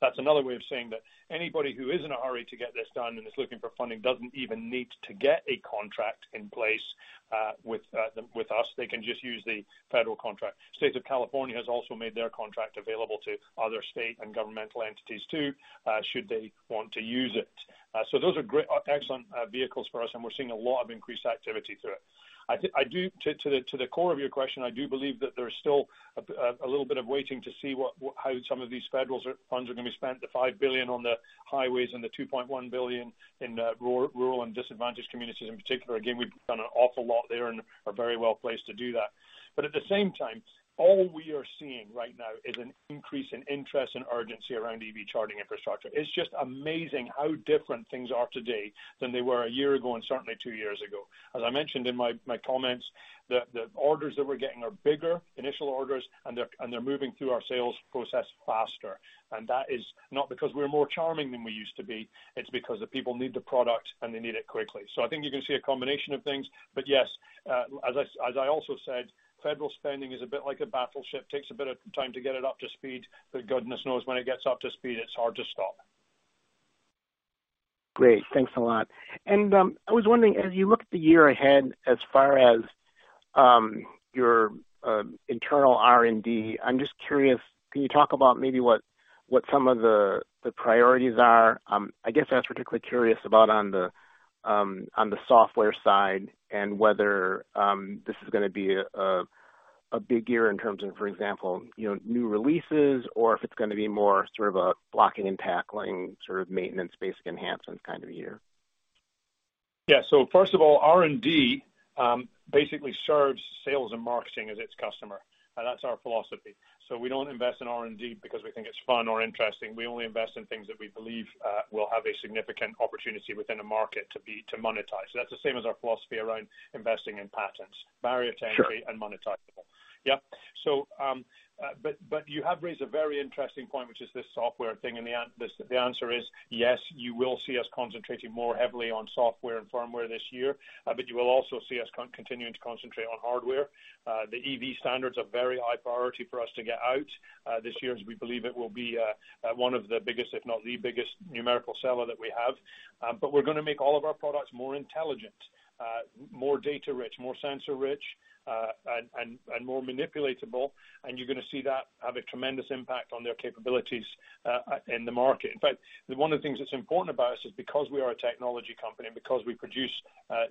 That's another way of saying that anybody who is in a hurry to get this done and is looking for funding doesn't even need to get a contract in place with us. They can just use the federal contract. State of California has also made their contract available to other state and governmental entities too, should they want to use it. Those are excellent vehicles for us, and we're seeing a lot of increased activity through it. To the core of your question, I do believe that there is still a little bit of waiting to see how some of these federal funds are gonna be spent, the $5 billion on the highways and the $2.1 billion in rural and disadvantaged communities in particular. Again, we've done an awful lot there and are very well placed to do that. At the same time, all we are seeing right now is an increase in interest and urgency around EV charging infrastructure. It's just amazing how different things are today than they were a year ago and certainly two years ago. As I mentioned in my comments, the orders that we're getting are bigger initial orders, and they're moving through our sales process faster. That is not because we're more charming than we used to be, it's because the people need the product and they need it quickly. I think you can see a combination of things, but yes, as I also said, federal spending is a bit like a battleship, takes a bit of time to get it up to speed, but goodness knows when it gets up to speed, it's hard to stop. Great. Thanks a lot. I was wondering, as you look at the year ahead, as far as your internal R&D, I'm just curious, can you talk about maybe what some of the priorities are? I guess I was particularly curious about on the software side and whether this is gonna be a big year in terms of, for example, you know, new releases or if it's gonna be more sort of a blocking and tackling sort of maintenance, basic enhancements kind of year. First of all, R&D basically serves sales and marketing as its customer. That's our philosophy. We don't invest in R&D because we think it's fun or interesting. We only invest in things that we believe will have a significant opportunity within a market to monetize. That's the same as our philosophy around investing in patents. Barrier to entry. Sure. and monetizable. Yeah. You have raised a very interesting point, which is this software thing. The answer is, yes, you will see us concentrating more heavily on software and firmware this year. You will also see us continuing to concentrate on hardware. The EV standards are very high priority for us to get out this year, as we believe it will be one of the biggest, if not the biggest numerical seller that we have. We're gonna make all of our products more intelligent, more data-rich, more sensor-rich, and more manipulatable. You're gonna see that have a tremendous impact on their capabilities in the market. In fact, one of the things that's important about us is because we are a technology company, because we produce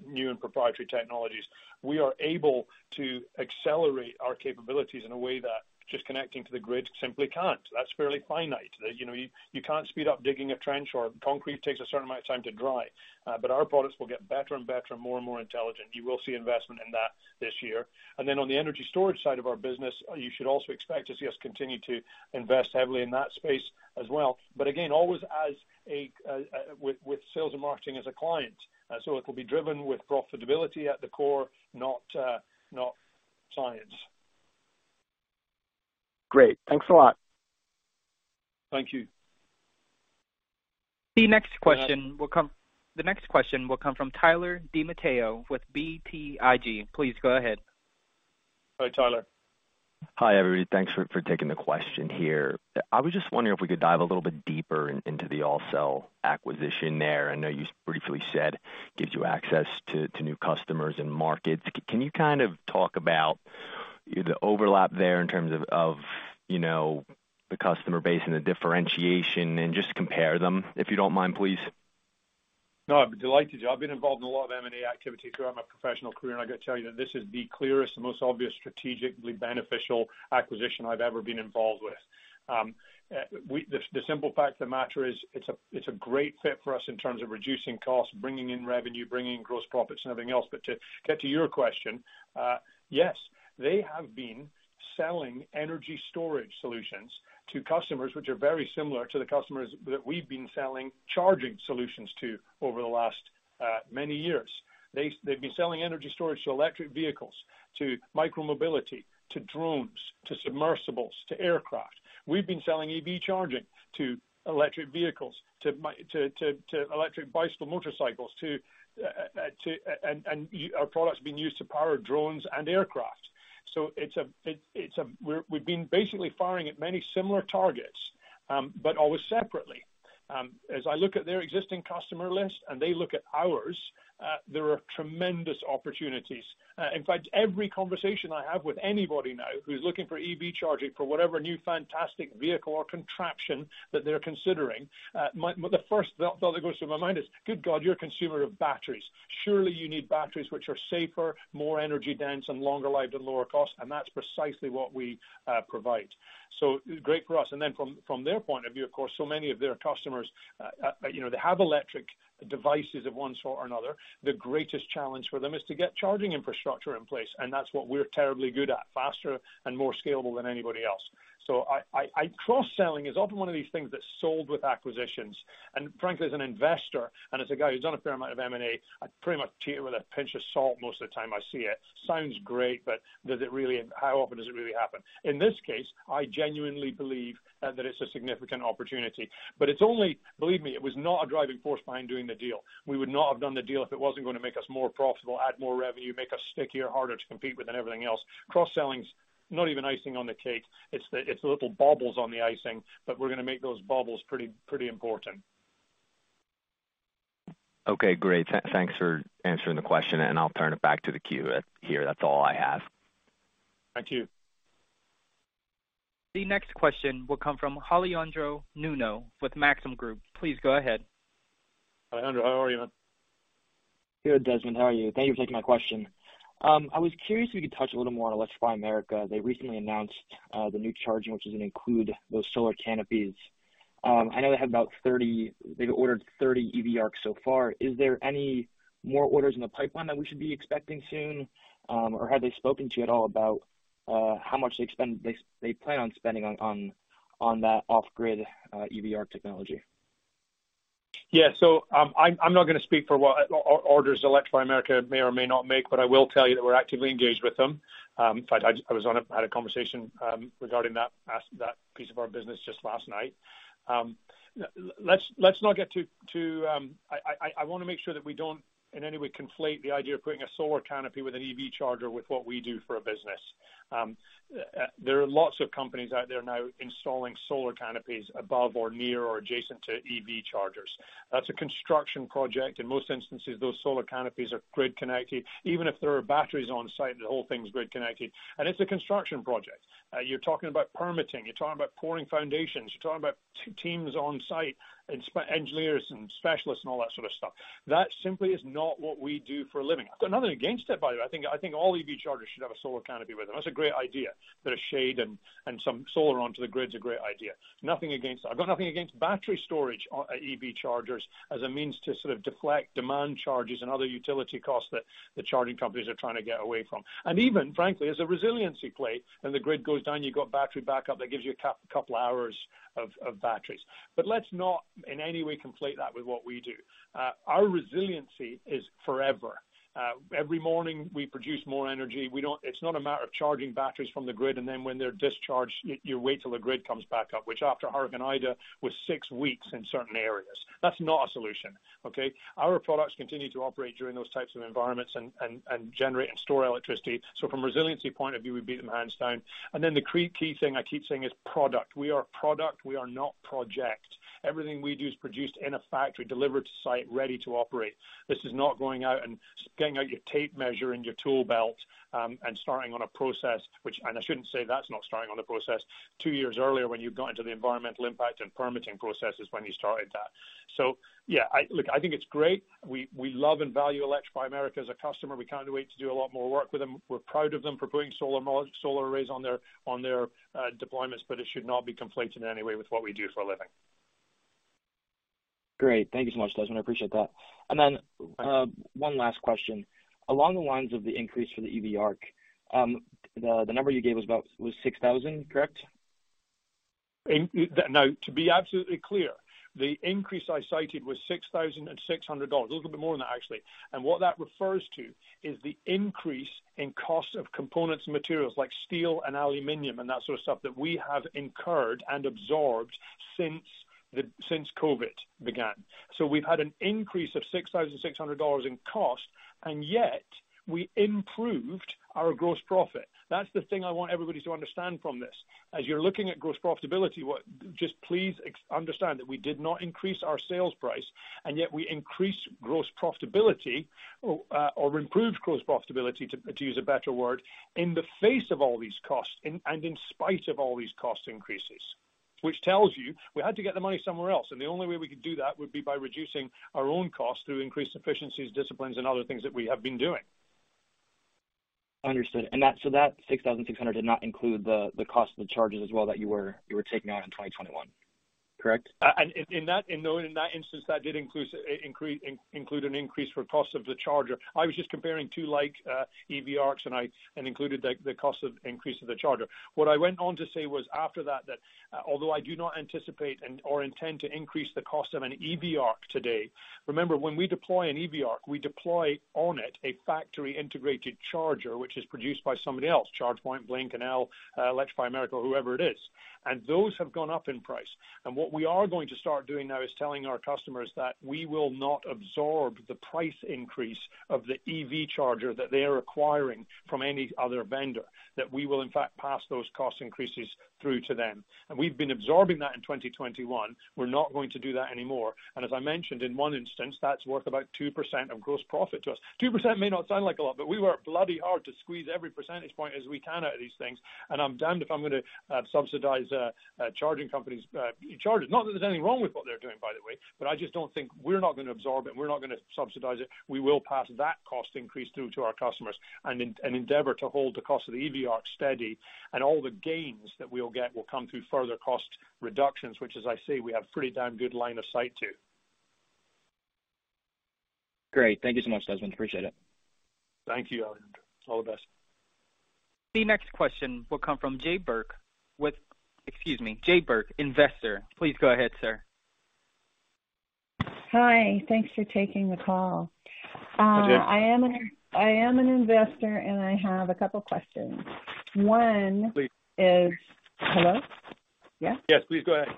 new and proprietary technologies, we are able to accelerate our capabilities in a way that just connecting to the grid simply can't. That's fairly finite. You know, you can't speed up digging a trench or concrete takes a certain amount of time to dry. Our products will get better and better and more and more intelligent. You will see investment in that this year. On the energy storage side of our business, you should also expect to see us continue to invest heavily in that space as well. Again, always with sales and marketing as a client. It'll be driven with profitability at the core, not science. Great. Thanks a lot. Thank you. The next question will come. Yes. The next question will come from Tyler DiMatteo with BTIG. Please go ahead. Hi, Tyler. Hi, everybody. Thanks for taking the question here. I was just wondering if we could dive a little bit deeper into the AllCell acquisition there. I know you briefly said gives you access to new customers and markets. Can you kind of talk about the overlap there in terms of of you know the customer base and the differentiation and just compare them, if you don't mind, please? No, I'd be delighted to. I've been involved in a lot of M&A activity throughout my professional career, and I got to tell you that this is the clearest and most obvious strategically beneficial acquisition I've ever been involved with. The simple fact of the matter is it's a great fit for us in terms of reducing costs, bringing in revenue, bringing in gross profits and everything else. To get to your question, yes, they have been selling energy storage solutions to customers which are very similar to the customers that we've been selling charging solutions to over the last many years. They've been selling energy storage to electric vehicles, to micro-mobility, to drones, to submersibles, to aircraft. We've been selling EV charging to electric vehicles, to electric bicycle motorcycles, Our products are being used to power drones and aircraft. We've been basically firing at many similar targets, but always separately. As I look at their existing customer list and they look at ours, there are tremendous opportunities. In fact, every conversation I have with anybody now who's looking for EV charging for whatever new fantastic vehicle or contraption that they're considering, the first thought that goes through my mind is, good God, you're a consumer of batteries. Surely you need batteries which are safer, more energy-dense, and longer life and lower cost, and that's precisely what we provide. Great for us. From their point of view, of course, so many of their customers, you know, they have electric devices of one sort or another. The greatest challenge for them is to get charging infrastructure in place, and that's what we're terribly good at, faster and more scalable than anybody else. Cross-selling is often one of these things that's sold with acquisitions. Frankly, as an investor and as a guy who's done a fair amount of M&A, I pretty much treat it with a pinch of salt most of the time I see it. Sounds great, but does it really? How often does it really happen? In this case, I genuinely believe that it's a significant opportunity. It's only, believe me, it was not a driving force behind doing the deal. We would not have done the deal if it wasn't gonna make us more profitable, add more revenue, make us stickier, harder to compete with than everything else. Cross-selling is not even icing on the cake. It's the little baubles on the icing, but we're gonna make those baubles pretty important. Okay, great. Thanks for answering the question, and I'll turn it back to the queue. That's all I have. Thank you. The next question will come from Alejandro Nuno with Maxim Group. Please go ahead. Alejandro, how are you, man? Good, Desmond. How are you? Thank you for taking my question. I was curious if you could touch a little more on Electrify America. They recently announced the new charging, which is gonna include those solar canopies. I know they have about 30—they've ordered 30 EV ARCs so far. Is there any more orders in the pipeline that we should be expecting soon? Or have they spoken to you at all about how much they plan on spending on that off-grid EV ARC technology? I'm not gonna speak for what orders Electrify America may or may not make, but I will tell you that we're actively engaged with them. In fact, I had a conversation regarding that piece of our business just last night. Let's not get too. I wanna make sure that we don't in any way conflate the idea of putting a solar canopy with an EV charger with what we do for a business. There are lots of companies out there now installing solar canopies above or near or adjacent to EV chargers. That's a construction project. In most instances, those solar canopies are grid connected. Even if there are batteries on site, the whole thing's grid connected. It's a construction project. You're talking about permitting, you're talking about pouring foundations, you're talking about teams on site and engineers and specialists and all that sort of stuff. That simply is not what we do for a living. I've got nothing against it, by the way. I think all EV chargers should have a solar canopy with them. That's a great idea. Bit of shade and some solar onto the grid is a great idea. Nothing against that. I've got nothing against battery storage at EV chargers as a means to sort of deflect demand charges and other utility costs that the charging companies are trying to get away from, and even, frankly, as a resiliency play. When the grid goes down, you've got battery backup that gives you a couple hours of batteries. Let's not in any way conflate that with what we do. Our resiliency is forever. Every morning we produce more energy. It's not a matter of charging batteries from the grid and then when they're discharged, you wait till the grid comes back up, which after Hurricane Ida was six weeks in certain areas. That's not a solution, okay? Our products continue to operate during those types of environments and generate and store electricity. So from a resiliency point of view, we beat them hands down. Then the key thing I keep saying is product. We are product, we are not project. Everything we do is produced in a factory, delivered to site, ready to operate. This is not going out and getting out your tape measure and your tool belt, and starting on a process. Two years earlier when you got into the environmental impact and permitting process is when you started that. Yeah, Look, I think it's great. We love and value Electrify America as a customer. We can't wait to do a lot more work with them. We're proud of them for putting solar arrays on their deployments, but it should not be conflated in any way with what we do for a living. Great. Thank you so much, Desmond. I appreciate that. One last question. Along the lines of the increase for the EV ARC, the number you gave was about $6,000, correct? Now, to be absolutely clear, the increase I cited was $6,600, a little bit more than that actually. What that refers to is the increase in cost of components and materials like steel and aluminum and that sort of stuff that we have incurred and absorbed since COVID began. We've had an increase of $6,600 in cost, and yet we improved our gross profit. That's the thing I want everybody to understand from this. As you're looking at gross profitability, just please understand that we did not increase our sales price, and yet we increased gross profitability, or improved gross profitability, to use a better word, in the face of all these costs and in spite of all these cost increases, which tells you we had to get the money somewhere else. The only way we could do that would be by reducing our own costs through increased efficiencies, disciplines, and other things that we have been doing. Understood. That $6,600 did not include the cost of the chargers as well that you were taking out in 2021, correct? No, in that instance, that did include an increase for cost of the charger. I was just comparing two EV ARCs, and included the cost of increase of the charger. What I went on to say was after that, although I do not anticipate or intend to increase the cost of an EV ARC today, remember when we deploy an EV ARC, we deploy on it a factory integrated charger which is produced by somebody else, ChargePoint, Blink, Enel, Electrify America, whoever it is. Those have gone up in price. What we are going to start doing now is telling our customers that we will not absorb the price increase of the EV charger that they are acquiring from any other vendor, that we will in fact pass those cost increases through to them. We've been absorbing that in 2021. We're not going to do that anymore. As I mentioned, in one instance, that's worth about 2% of gross profit to us. 2% may not sound like a lot, but we work bloody hard to squeeze every percentage point as we can out of these things, and I'm damned if I'm gonna subsidize a charging company's chargers. Not that there's anything wrong with what they're doing, by the way, but I just don't think we're gonna absorb it and we're not gonna subsidize it. We will pass that cost increase through to our customers and endeavor to hold the cost of the EV ARC steady, and all the gains that we'll get will come through further cost reductions, which, as I say, we have pretty damn good line of sight to. Great. Thank you so much, Desmond. Appreciate it. Thank you, Alejandro. All the best. The next question will come from Jay Burke. Excuse me, Jay Burke, investor. Please go ahead, sir. Hi. Thanks for taking the call. Hi, Jay. I am an investor, and I have a couple questions. One- Please. Hello? Yeah. Yes, please go ahead.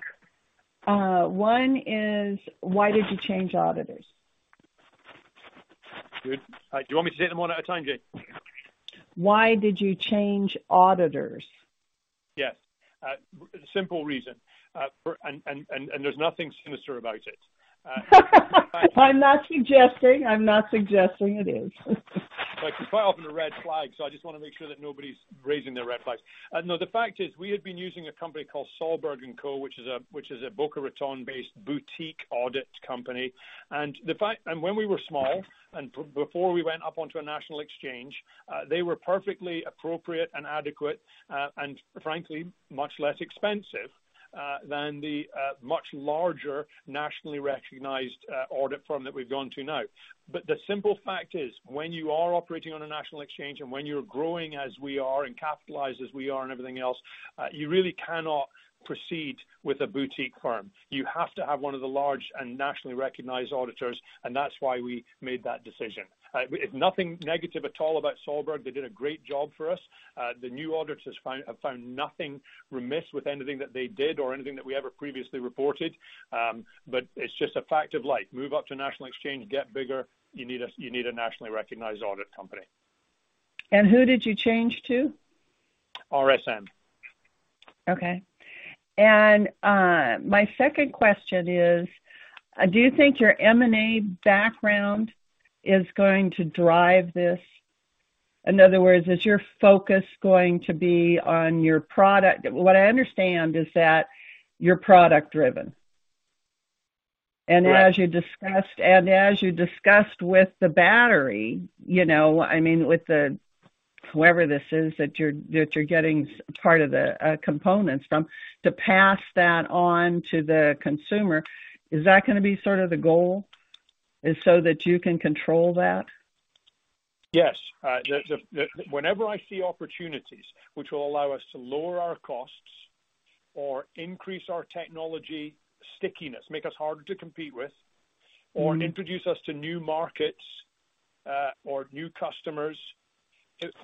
One is why did you change auditors? Good. Do you want me to take them one at a time, Jay? Why did you change auditors? Yes. Simple reason. There's nothing sinister about it. I'm not suggesting it is. Like, you fly off on a red flag, so I just wanna make sure that nobody's raising their red flags. The fact is we had been using a company called Salberg & Co., which is a Boca Raton-based boutique audit company. When we were small and before we went up onto a national exchange, they were perfectly appropriate and adequate, and frankly, much less expensive than the much larger nationally recognized audit firm that we've gone to now. The simple fact is when you are operating on a national exchange and when you're growing as we are and capitalized as we are and everything else, you really cannot proceed with a boutique firm. You have to have one of the large and nationally recognized auditors, and that's why we made that decision. It's nothing negative at all about Salberg. They did a great job for us. The new auditors have found nothing remiss with anything that they did or anything that we ever previously reported. It's just a fact of life. Move up to national exchange, get bigger, you need a nationally recognized audit company. Who did you change to? RSM. Okay. My second question is, do you think your M&A background is going to drive this? In other words, is your focus going to be on your product? What I understand is that you're product driven. Right. As you discussed with the battery, you know, I mean, with whoever this is that you're getting part of the components from, to pass that on to the consumer, is that gonna be sort of the goal so that you can control that? Yes. Whenever I see opportunities which will allow us to lower our costs or increase our technology stickiness, make us harder to compete with. Mm-hmm. Introduce us to new markets, or new customers,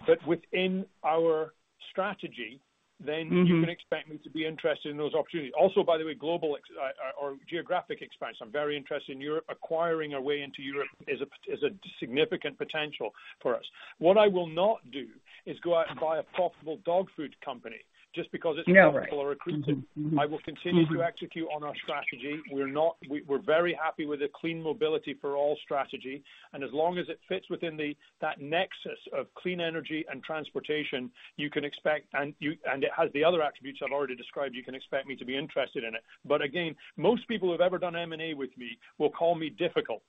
but within our strategy. Mm-hmm. You can expect me to be interested in those opportunities. Also, by the way, global or geographic expansion. I'm very interested in Europe. Acquiring our way into Europe is a significant potential for us. What I will not do is go out and buy a profitable dog food company just because it's- Yeah, right. Profitable or accretive. Mm-hmm. Mm-hmm. I will continue to execute on our strategy. We're very happy with the clean mobility for all strategy. As long as it fits within that nexus of clean energy and transportation, you can expect it has the other attributes I've already described, you can expect me to be interested in it. Again, most people who've ever done M&A with me will call me difficult.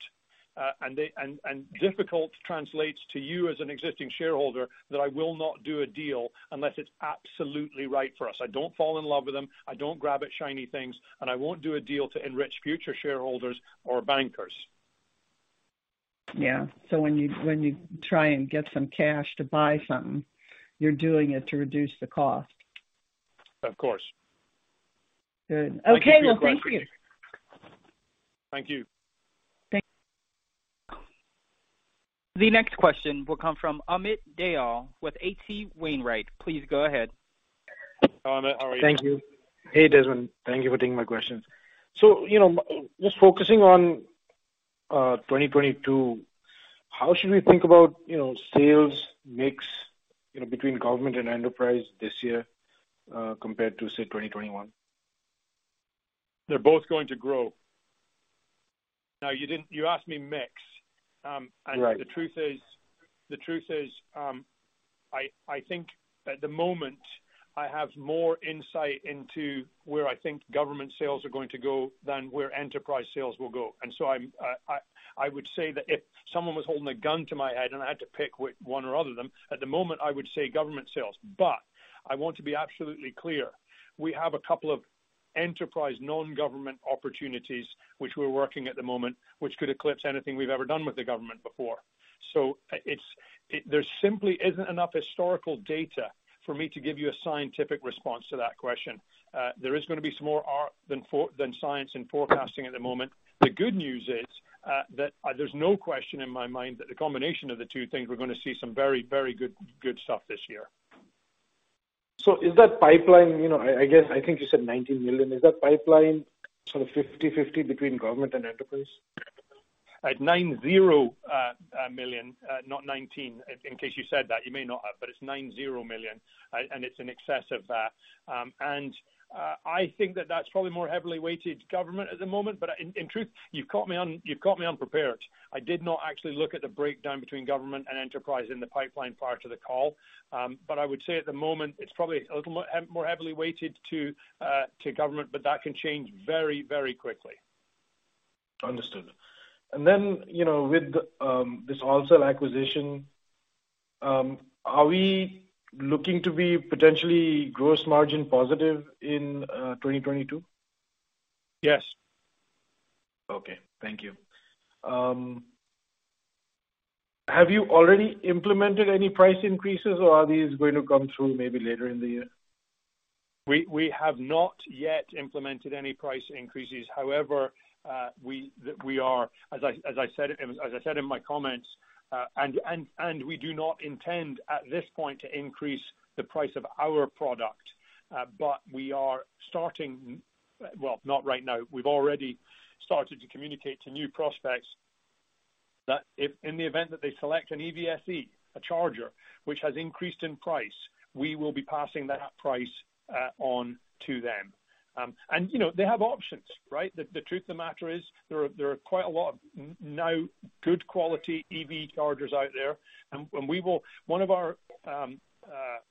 Difficult translates to you as an existing shareholder that I will not do a deal unless it's absolutely right for us. I don't fall in love with them, I don't grab at shiny things, and I won't do a deal to enrich future shareholders or bankers. Yeah. When you try and get some cash to buy something, you're doing it to reduce the cost. Of course. Good. Okay. Well, thank you. Thank you. Thank- The next question will come from Amit Dayal with H.C. Wainwright. Please go ahead. Hi, Amit. How are you? Thank you. Hey, Desmond. Thank you for taking my questions. You know, just focusing on 2022, how should we think about, you know, sales mix, you know, between government and enterprise this year, compared to, say, 2021? They're both going to grow. Now, you asked me mix. Right. The truth is, I think at the moment I have more insight into where I think government sales are going to go than where enterprise sales will go. I would say that if someone was holding a gun to my head and I had to pick which one or other of them, at the moment, I would say government sales. I want to be absolutely clear. We have a couple of enterprise non-government opportunities which we're working at the moment, which could eclipse anything we've ever done with the government before. It's. There simply isn't enough historical data for me to give you a scientific response to that question. There is gonna be some more art than science and forecasting at the moment. The good news is that there's no question in my mind that the combination of the two things, we're gonna see some very good stuff this year. Is that pipeline, you know, I guess I think you said $19 million. Is that pipeline sort of 50/50 between government and enterprise? $90 million, not $19 million. In case you said that. You may not have, but it's $90 million. It's in excess of that. I think that's probably more heavily weighted to government at the moment, but in truth, you've caught me unprepared. I did not actually look at the breakdown between government and enterprise in the pipeline prior to the call. I would say at the moment it's probably a little more heavily weighted to government, but that can change very, very quickly. Understood. Then, you know, with this AllCell acquisition, are we looking to be potentially gross margin positive in 2022? Yes. Okay. Thank you. Have you already implemented any price increases, or are these going to come through maybe later in the year? We have not yet implemented any price increases. However, as I said in my comments, we do not intend at this point to increase the price of our product. We have already started to communicate to new prospects that if in the event that they select an EVSE, a charger, which has increased in price, we will be passing that price on to them. You know, they have options, right? The truth of the matter is there are quite a lot of now good quality EV chargers out there. One of our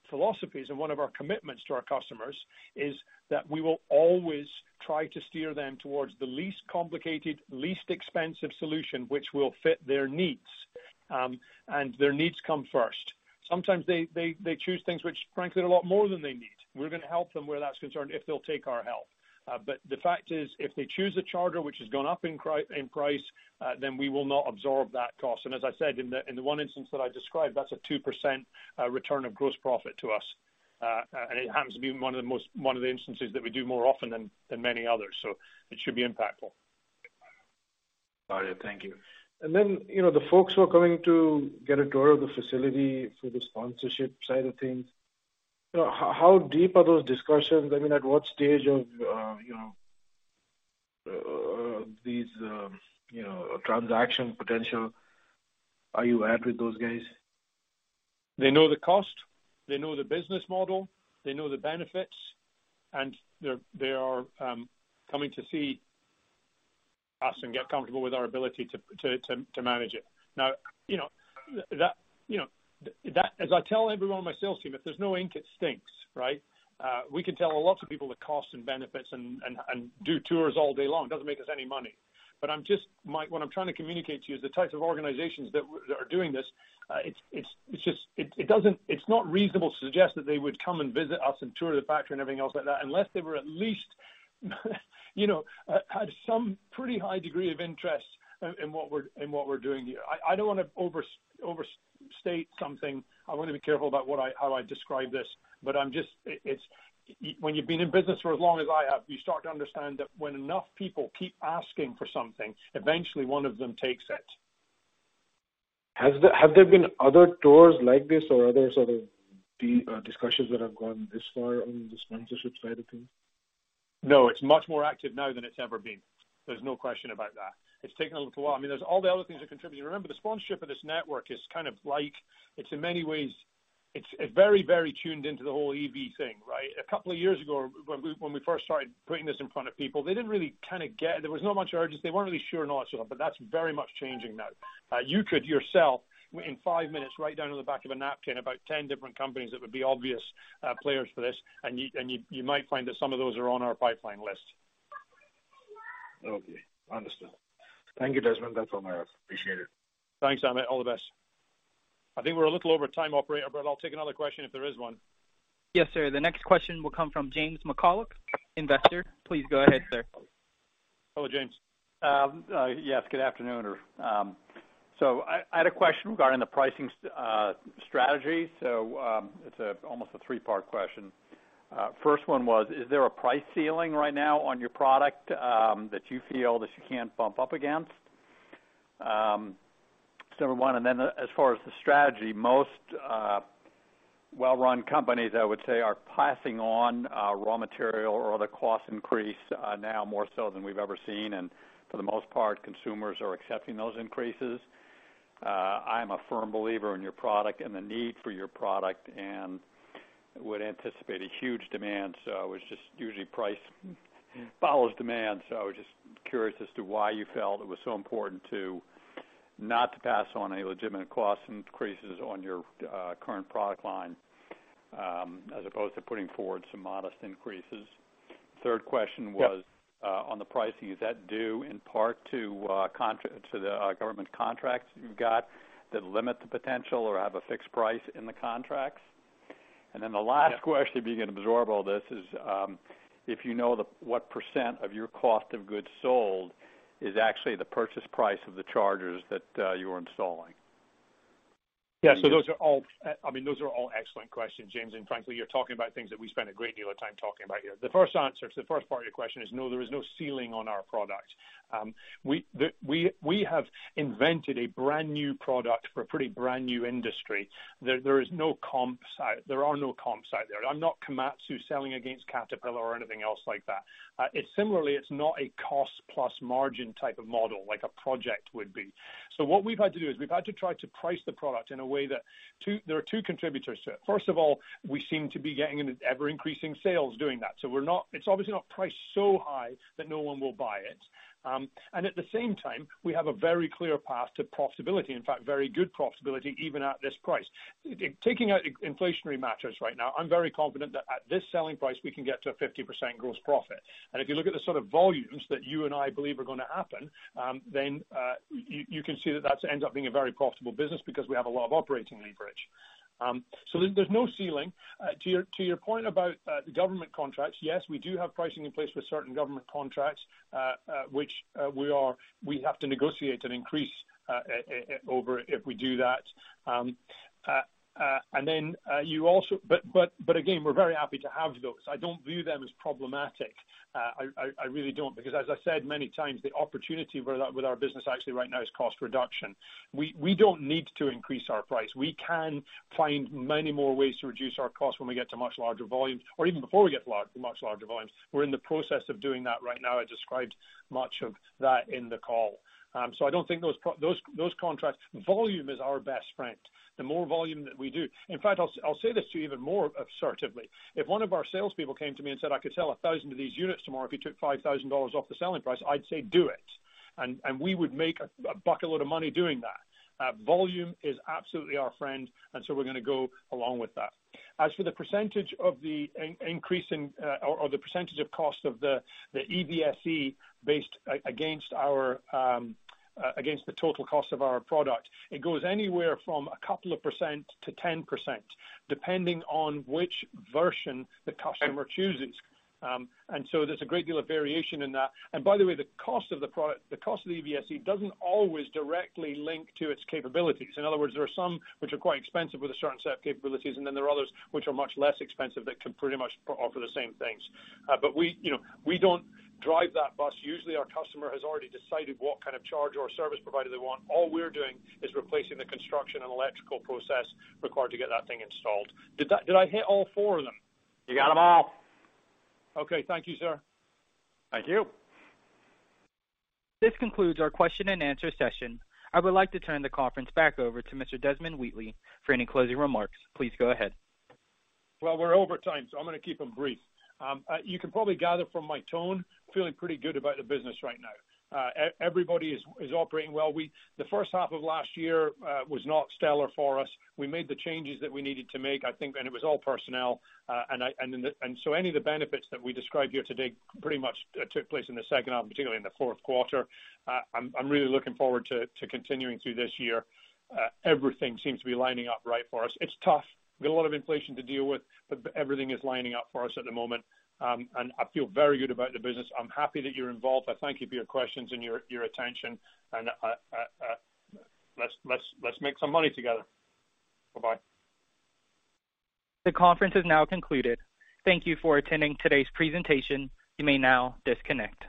philosophies and one of our commitments to our customers is that we will always try to steer them towards the least complicated, least expensive solution which will fit their needs. Their needs come first. Sometimes they choose things which frankly are a lot more than they need. We're gonna help them where that's concerned if they'll take our help. The fact is, if they choose a charger which has gone up in price, then we will not absorb that cost. As I said, in the one instance that I described, that's a 2% return of gross profit to us. It happens to be one of the instances that we do more often than many others. It should be impactful. Got it. Thank you. You know, the folks who are coming to get a tour of the facility for the sponsorship side of things, you know, how deep are those discussions? I mean, at what stage of you know these you know transaction potential are you at with those guys? They know the cost, they know the business model, they know the benefits, and they are coming to see us and get comfortable with our ability to manage it. Now, you know that as I tell everyone on my sales team, if there's no ink, it stinks, right? We can tell lots of people the costs and benefits and do tours all day long. It doesn't make us any money. I'm just. What I'm trying to communicate to you is the types of organizations that are doing this, it's just, it doesn't, it's not reasonable to suggest that they would come and visit us and tour the factory and everything else like that unless they were at least you know, had some pretty high degree of interest in what we're doing here. I don't wanna overstate something. I wanna be careful about what I, how I describe this. I'm just, it's when you've been in business for as long as I have, you start to understand that when enough people keep asking for something, eventually one of them takes it. Have there been other tours like this or other sort of discussions that have gone this far on the sponsorship side of things? No, it's much more active now than it's ever been. There's no question about that. It's taken a little while. I mean, there's all the other things that contribute. Remember, the sponsorship of this network is kind of like, it's in many ways, it's very, very tuned into the whole EV thing, right? A couple of years ago when we first started putting this in front of people, they didn't really kinda get it. There was not much urgency. They weren't really sure or not sure. But that's very much changing now. You could yourself in five minutes write down on the back of a napkin about 10 different companies that would be obvious players for this. You might find that some of those are on our pipeline list. Okay. Understood. Thank you, Desmond. That's all I have. Appreciate it. Thanks, Amit. All the best. I think we're a little over time, operator, but I'll take another question if there is one. Yes, sir. The next question will come from James McCullough, Investor. Please go ahead, sir. Hello, James. Yes, good afternoon. I had a question regarding the pricing strategy. It's almost a three-part question. First one was, is there a price ceiling right now on your product that you feel that you can't bump up against? Number one, and then as far as the strategy, most well-run companies, I would say, are passing on raw material or the cost increase now more so than we've ever seen. For the most part, consumers are accepting those increases. I'm a firm believer in your product and the need for your product and would anticipate a huge demand. I was just usually price follows demand. I was just curious as to why you felt it was so important not to pass on any legitimate cost increases on your current product line, as opposed to putting forward some modest increases. Third question was- Yeah. On the pricing. Is that due in part to the government contracts you've got that limit the potential or have a fixed price in the contracts? Yeah. Then the last question, if you can absorb all this, is, if you know the, what percent of your cost of goods sold is actually the purchase price of the chargers that you are installing? Those are all excellent questions, James, and frankly you're talking about things that we spend a great deal of time talking about here. The first answer to the first part of your question is no, there is no ceiling on our product. We have invented a brand new product for a pretty brand new industry. There are no comps out there. I'm not Komatsu selling against Caterpillar or anything else like that. It similarly, it's not a cost plus margin type of model like a project would be. What we've had to do is try to price the product in a way that there are two contributors to it. First of all, we seem to be getting an ever-increasing sales doing that. We're not, it's obviously not priced so high that no one will buy it. At the same time, we have a very clear path to profitability, in fact, very good profitability even at this price. Taking out inflationary matters right now, I'm very confident that at this selling price, we can get to a 50% gross profit. If you look at the sort of volumes that you and I believe are gonna happen, you can see that that ends up being a very profitable business because we have a lot of operating leverage. There's no ceiling. To your point about the government contracts, yes, we do have pricing in place with certain government contracts, which we have to negotiate an increase over if we do that. Again, we're very happy to have those. I don't view them as problematic. I really don't. Because as I said many times, the opportunity with our business actually right now is cost reduction. We don't need to increase our price. We can find many more ways to reduce our costs when we get to much larger volumes or even before we get to much larger volumes. We're in the process of doing that right now. I described much of that in the call. I don't think those contracts. Volume is our best friend. The more volume that we do. In fact, I'll say this to you even more assertively. If one of our salespeople came to me and said, "I could sell 1,000 of these units tomorrow if you took $5,000 off the selling price," I'd say, "Do it." We would make a bucket load of money doing that. Volume is absolutely our friend, we're gonna go along with that. As for the percentage of cost of the EVSE against the total cost of our product, it goes anywhere from a couple of percent to 10%, depending on which version the customer chooses. There's a great deal of variation in that. By the way, the cost of the product, the cost of the EVSE doesn't always directly link to its capabilities. In other words, there are some which are quite expensive with a certain set of capabilities, and then there are others which are much less expensive that can pretty much offer the same things. But we, you know, we don't drive that bus. Usually, our customer has already decided what kind of charger or service provider they want. All we're doing is replacing the construction and electrical process required to get that thing installed. Did I hit all four of them? You got them all. Okay. Thank you, sir. Thank you. This concludes our question and answer session. I would like to turn the conference back over to Mr. Desmond Wheatley for any closing remarks. Please go ahead. Well, we're over time, so I'm gonna keep them brief. You can probably gather from my tone, I'm feeling pretty good about the business right now. Everybody is operating well. The first half of last year was not stellar for us. We made the changes that we needed to make, I think, and it was all personnel. Any of the benefits that we described here today pretty much took place in the second half, particularly in the fourth quarter. I'm really looking forward to continuing through this year. Everything seems to be lining up right for us. It's tough. We got a lot of inflation to deal with, but everything is lining up for us at the moment. I feel very good about the business. I'm happy that you're involved. I thank you for your questions and your attention. Let's make some money together. Bye-bye. The conference is now concluded. Thank you for attending today's presentation. You may now disconnect.